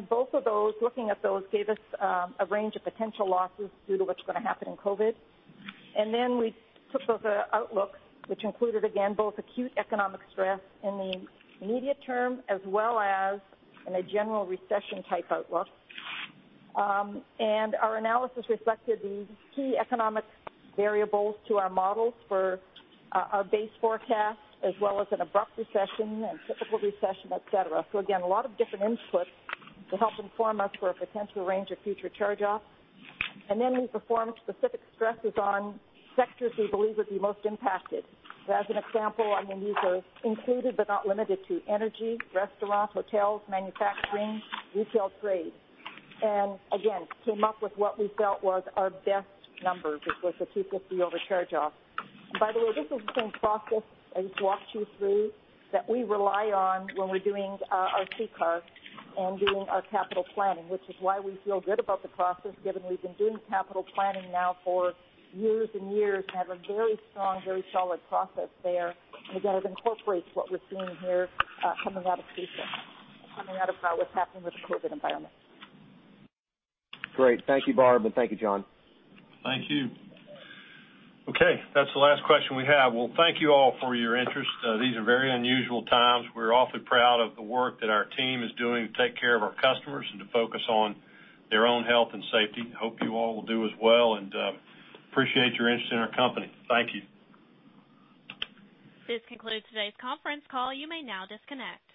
Both of those, looking at those, gave us a range of potential losses due to what's going to happen in COVID. We took those outlooks, which included, again, both acute economic stress in the immediate term as well as in a general recession-type outlook. Our analysis reflected the key economic variables to our models for our base forecast, as well as an abrupt recession, a typical recession, et cetera. Again, a lot of different inputs to help inform us for a potential range of future charge-offs. Then we performed specific stresses on sectors we believe would be most impacted. As an example, these are included but not limited to energy, restaurants, hotels, manufacturing, retail, trade, again, came up with what we felt was our best numbers, which was the 250 over charge-off. By the way, this is the same process I just walked you through that we rely on when we're doing our CCARs and doing our capital planning, which is why we feel good about the process given we've been doing capital planning now for years and years and have a very strong, very solid process there. Again, it incorporates what we're doing here coming out of CECL, coming out of what's happened with the COVID environment. Great. Thank you, Barb, and thank you, John. Thank you. Okay, that's the last question we have. Well, thank you all for your interest. These are very unusual times. We're awfully proud of the work that our team is doing to take care of our customers and to focus on their own health and safety. Hope you all will do as well and appreciate your interest in our company. Thank you. This concludes today's conference call. You may now disconnect.